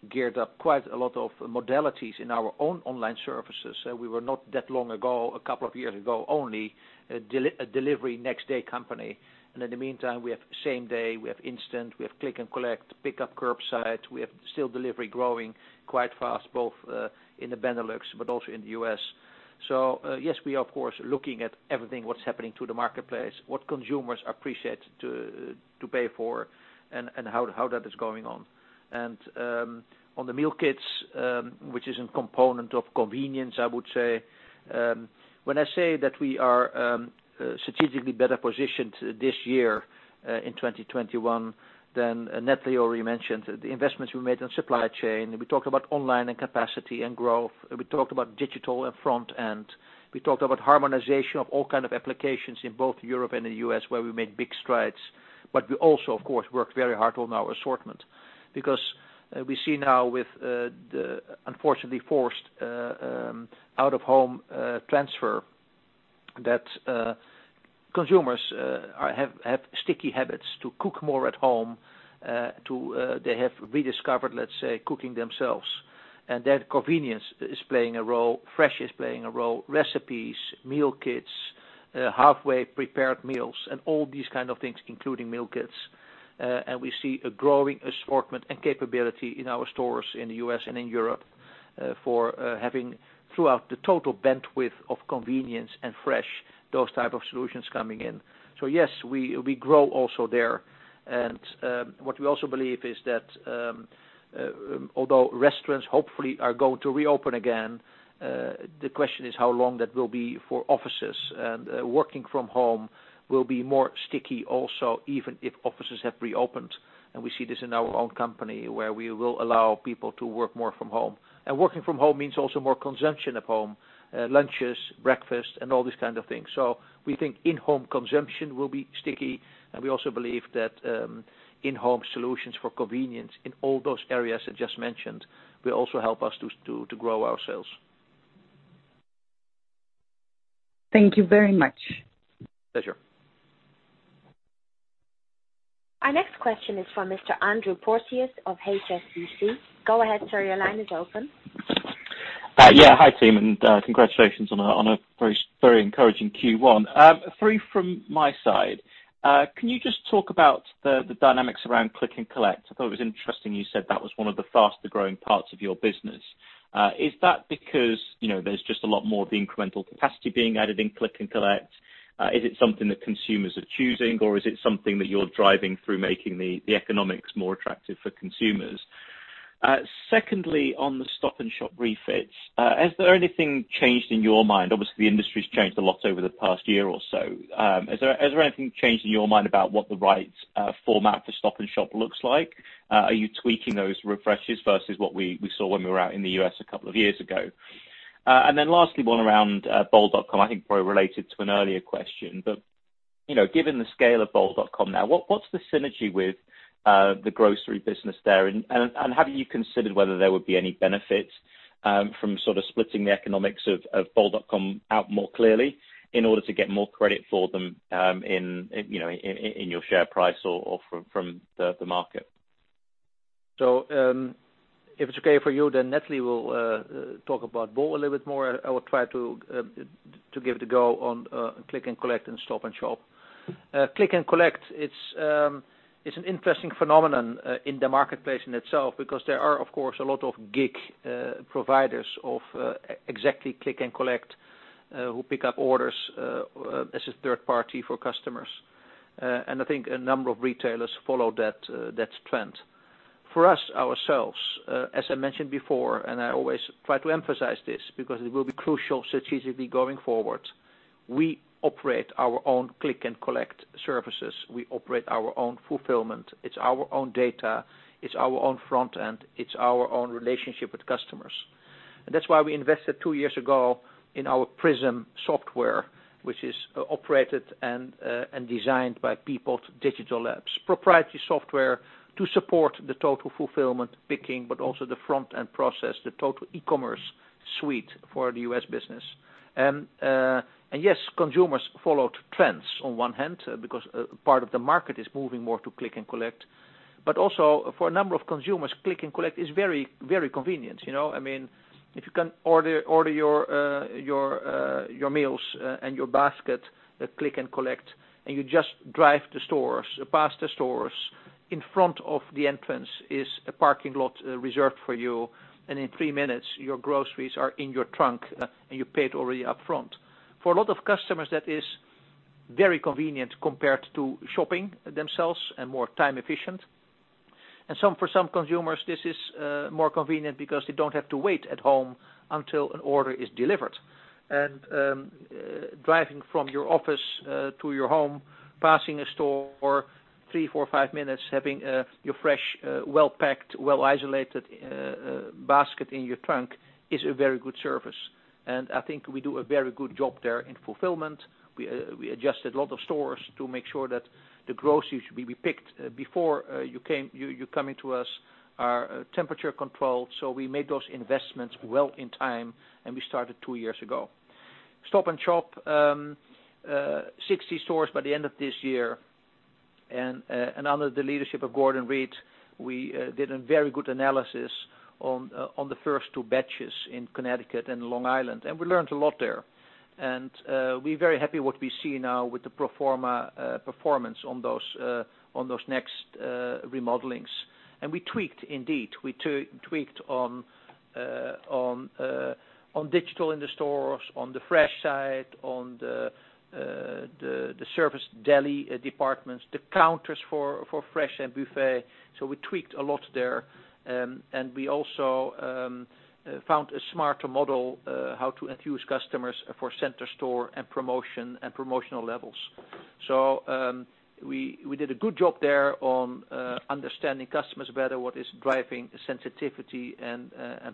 geared up quite a lot of modalities in our own online services. We were not that long ago, a couple of years ago, only a delivery next day company. In the meantime, we have same day, we have instant, we have click and collect, pickup curbside. We have still delivery growing quite fast, both in the Benelux but also in the U.S. Yes, we are of course, looking at everything that's happening to the marketplace, what consumers appreciate to pay for and how that is going on. On the meal kits, which is a component of convenience, I would say, when I say that we are strategically better positioned this year in 2021, Natalie already mentioned the investments we made in supply chain. We talked about online and capacity and growth. We talked about digital and front end. We talked about harmonization of all kind of applications in both Europe and the U.S. where we made big strides. We also, of course, worked very hard on our assortment because we see now with the unfortunately forced out of home transfer, that consumers have sticky habits to cook more at home. They have rediscovered, let's say, cooking themselves. Convenience is playing a role, fresh is playing a role, recipes, meal kits, halfway prepared meals, and all these kind of things, including meal kits. We see a growing assortment and capability in our stores in the U.S. and in Europe for having throughout the total bandwidth of convenience and fresh, those type of solutions coming in. Yes, we grow also there. What we also believe is that although restaurants hopefully are going to reopen again, the question is how long that will be for offices, and working from home will be more sticky also, even if offices have reopened. We see this in our own company, where we will allow people to work more from home. Working from home means also more consumption at home, lunches, breakfast, and all these kind of things. We think in-home consumption will be sticky, and we also believe that in-home solutions for convenience in all those areas I just mentioned, will also help us to grow our sales. Thank you very much. Pleasure. Our next question is from Mr. Andrew Porteous of HSBC. Go ahead, sir, your line is open. Yeah. Hi, team, congratulations on a very encouraging Q1. Three from my side. Can you just talk about the dynamics around click and collect? I thought it was interesting you said that was one of the faster-growing parts of your business. Is that because there's just a lot more of the incremental capacity being added in click and collect? Is it something that consumers are choosing, or is it something that you're driving through making the economics more attractive for consumers? Secondly, on the Stop & Shop refits, has there anything changed in your mind? Obviously, the industry's changed a lot over the past year or so. Has there anything changed in your mind about what the right format for Stop & Shop looks like? Are you tweaking those refreshes versus what we saw when we were out in the U.S. a couple of years ago? Lastly, one around bol.com, I think probably related to an earlier question, but given the scale of bol.com now, what is the synergy with the grocery business there? Have you considered whether there would be any benefit from sort of splitting the economics of bol.com out more clearly in order to get more credit for them in your share price or from the market? If it's okay for you, then Natalie will talk about Bol a little bit more. I will try to give it a go on click and collect and Stop & Shop. Click and collect, it's an interesting phenomenon in the marketplace in itself because there are, of course, a lot of gig providers of exactly click and collect who pick up orders as a third party for customers. I think a number of retailers follow that trend. For us, ourselves, as I mentioned before, and I always try to emphasize this because it will be crucial strategically going forward, we operate our own click and collect services. We operate our own fulfillment. It's our own data. It's our own front end. It's our own relationship with customers. That's why we invested two years ago in our PRISM software, which is operated and designed by Peapod Digital Labs. Proprietary software to support the total fulfillment picking, but also the front end process, the total e-commerce suite for the U.S. business. Yes, consumers followed trends on one hand because part of the market is moving more to click and collect, but also for a number of consumers, click and collect is very convenient. If you can order your meals and your basket, click and collect, and you just drive past the stores. In front of the entrance is a parking lot reserved for you, and in three minutes, your groceries are in your trunk, and you paid already upfront. For a lot of customers, that is very convenient compared to shopping themselves and more time efficient. For some consumers, this is more convenient because they don't have to wait at home until an order is delivered. Driving from your office to your home, passing a store, three, four, five minutes, having your fresh, well-packed, well-isolated basket in your trunk is a very good service. I think we do a very good job there in fulfillment. We adjusted a lot of stores to make sure that the groceries will be picked before you coming to us are temperature controlled. We made those investments well in time, and we started two years ago. Stop & Shop, 60 stores by the end of this year. Under the leadership of Gordon Reid, we did a very good analysis on the first two batches in Connecticut and Long Island, and we learned a lot there. We're very happy what we see now with the performance on those next remodelings. We tweaked indeed. We tweaked on digital in the stores, on the fresh side, on the service deli departments, the counters for fresh and buffet. We tweaked a lot there. We also found a smarter model how to enthuse customers for center store and promotional levels. We did a good job there on understanding customers better, what is driving sensitivity and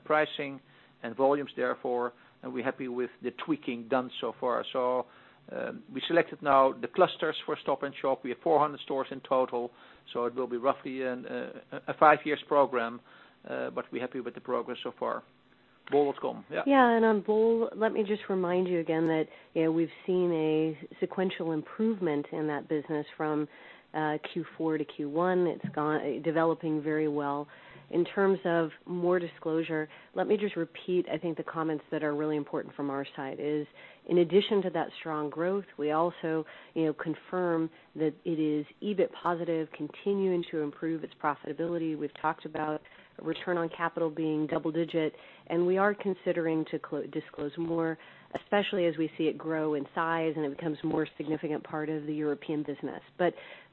pricing and volumes therefore, and we're happy with the tweaking done so far. We selected now the clusters for Stop & Shop. We have 400 stores in total, so it will be roughly a five years program, but we're happy with the progress so far. bol.com. Yeah. Yeah, on Bol, let me just remind you again that we've seen a sequential improvement in that business from Q4 to Q1. It's developing very well. In terms of more disclosure, let me just repeat, I think the comments that are really important from our side is in addition to that strong growth, we also confirm that it is EBIT positive, continuing to improve its profitability. We've talked about return on capital being double-digit, we are considering to disclose more, especially as we see it grow in size and it becomes more significant part of the European business.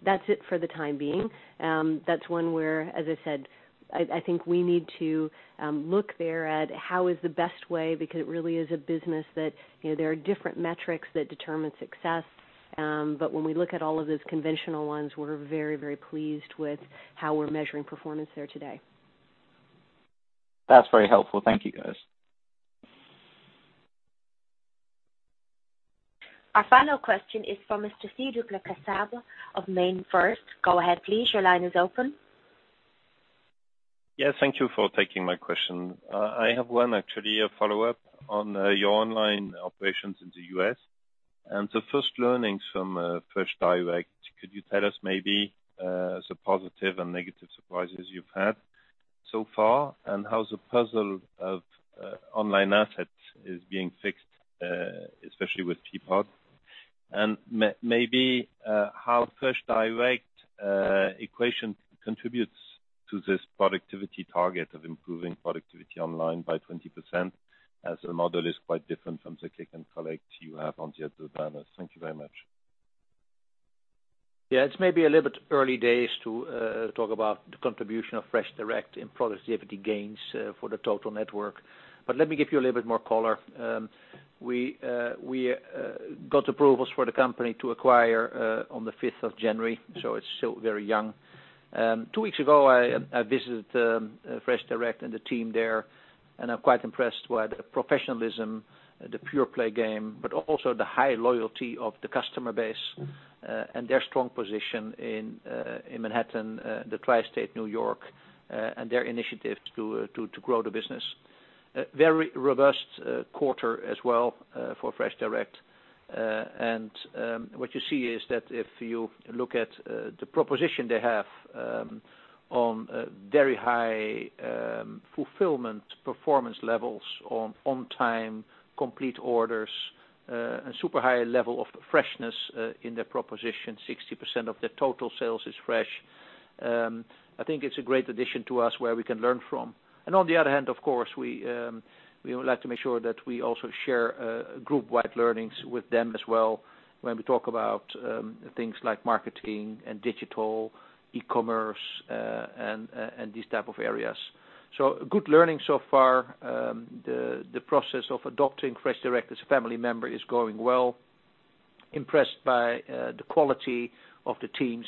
That's it for the time being. That's one where, as I said, I think we need to look there at how is the best way, because it really is a business that there are different metrics that determine success. When we look at all of those conventional ones, we're very pleased with how we're measuring performance there today. That's very helpful. Thank you, guys. Our final question is from Mr. Cédric Lecasble of MainFirst. Go ahead, please. Your line is open. Yes, thank you for taking my question. I have one actually a follow-up on your online operations in the U.S. and the first learnings from FreshDirect. Could you tell us maybe the positive and negative surprises you've had so far, and how the puzzle of online assets is being fixed, especially with Peapod? Maybe how FreshDirect equation contributes to this productivity target of improving productivity online by 20%, as the model is quite different from the click and collect you have on the other banners. Thank you very much. Yeah, it's maybe a little bit early days to talk about the contribution of FreshDirect in productivity gains for the total network. Let me give you a little bit more color. We got approvals for the company to acquire on the 5th of January, so it's still very young. Two weeks ago, I visited FreshDirect and the team there, and I'm quite impressed by the professionalism, the pure play game, but also the high loyalty of the customer base and their strong position in Manhattan, the Tri-State New York, and their initiative to grow the business. Very robust quarter as well for FreshDirect. What you see is that if you look at the proposition they have on very high fulfillment performance levels on on-time complete orders, a super high level of freshness in their proposition, 60% of their total sales is fresh. I think it's a great addition to us where we can learn from. On the other hand, of course, we would like to make sure that we also share group-wide learnings with them as well when we talk about things like marketing and digital, e-commerce, and these type of areas. Good learning so far. The process of adopting FreshDirect as a family member is going well. Impressed by the quality of the teams,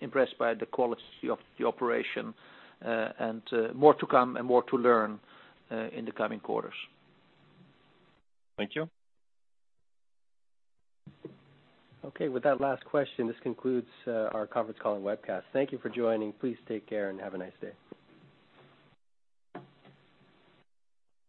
impressed by the quality of the operation, and more to come and more to learn in the coming quarters. Thank you. With that last question, this concludes our conference call and webcast. Thank you for joining. Please take care and have a nice day.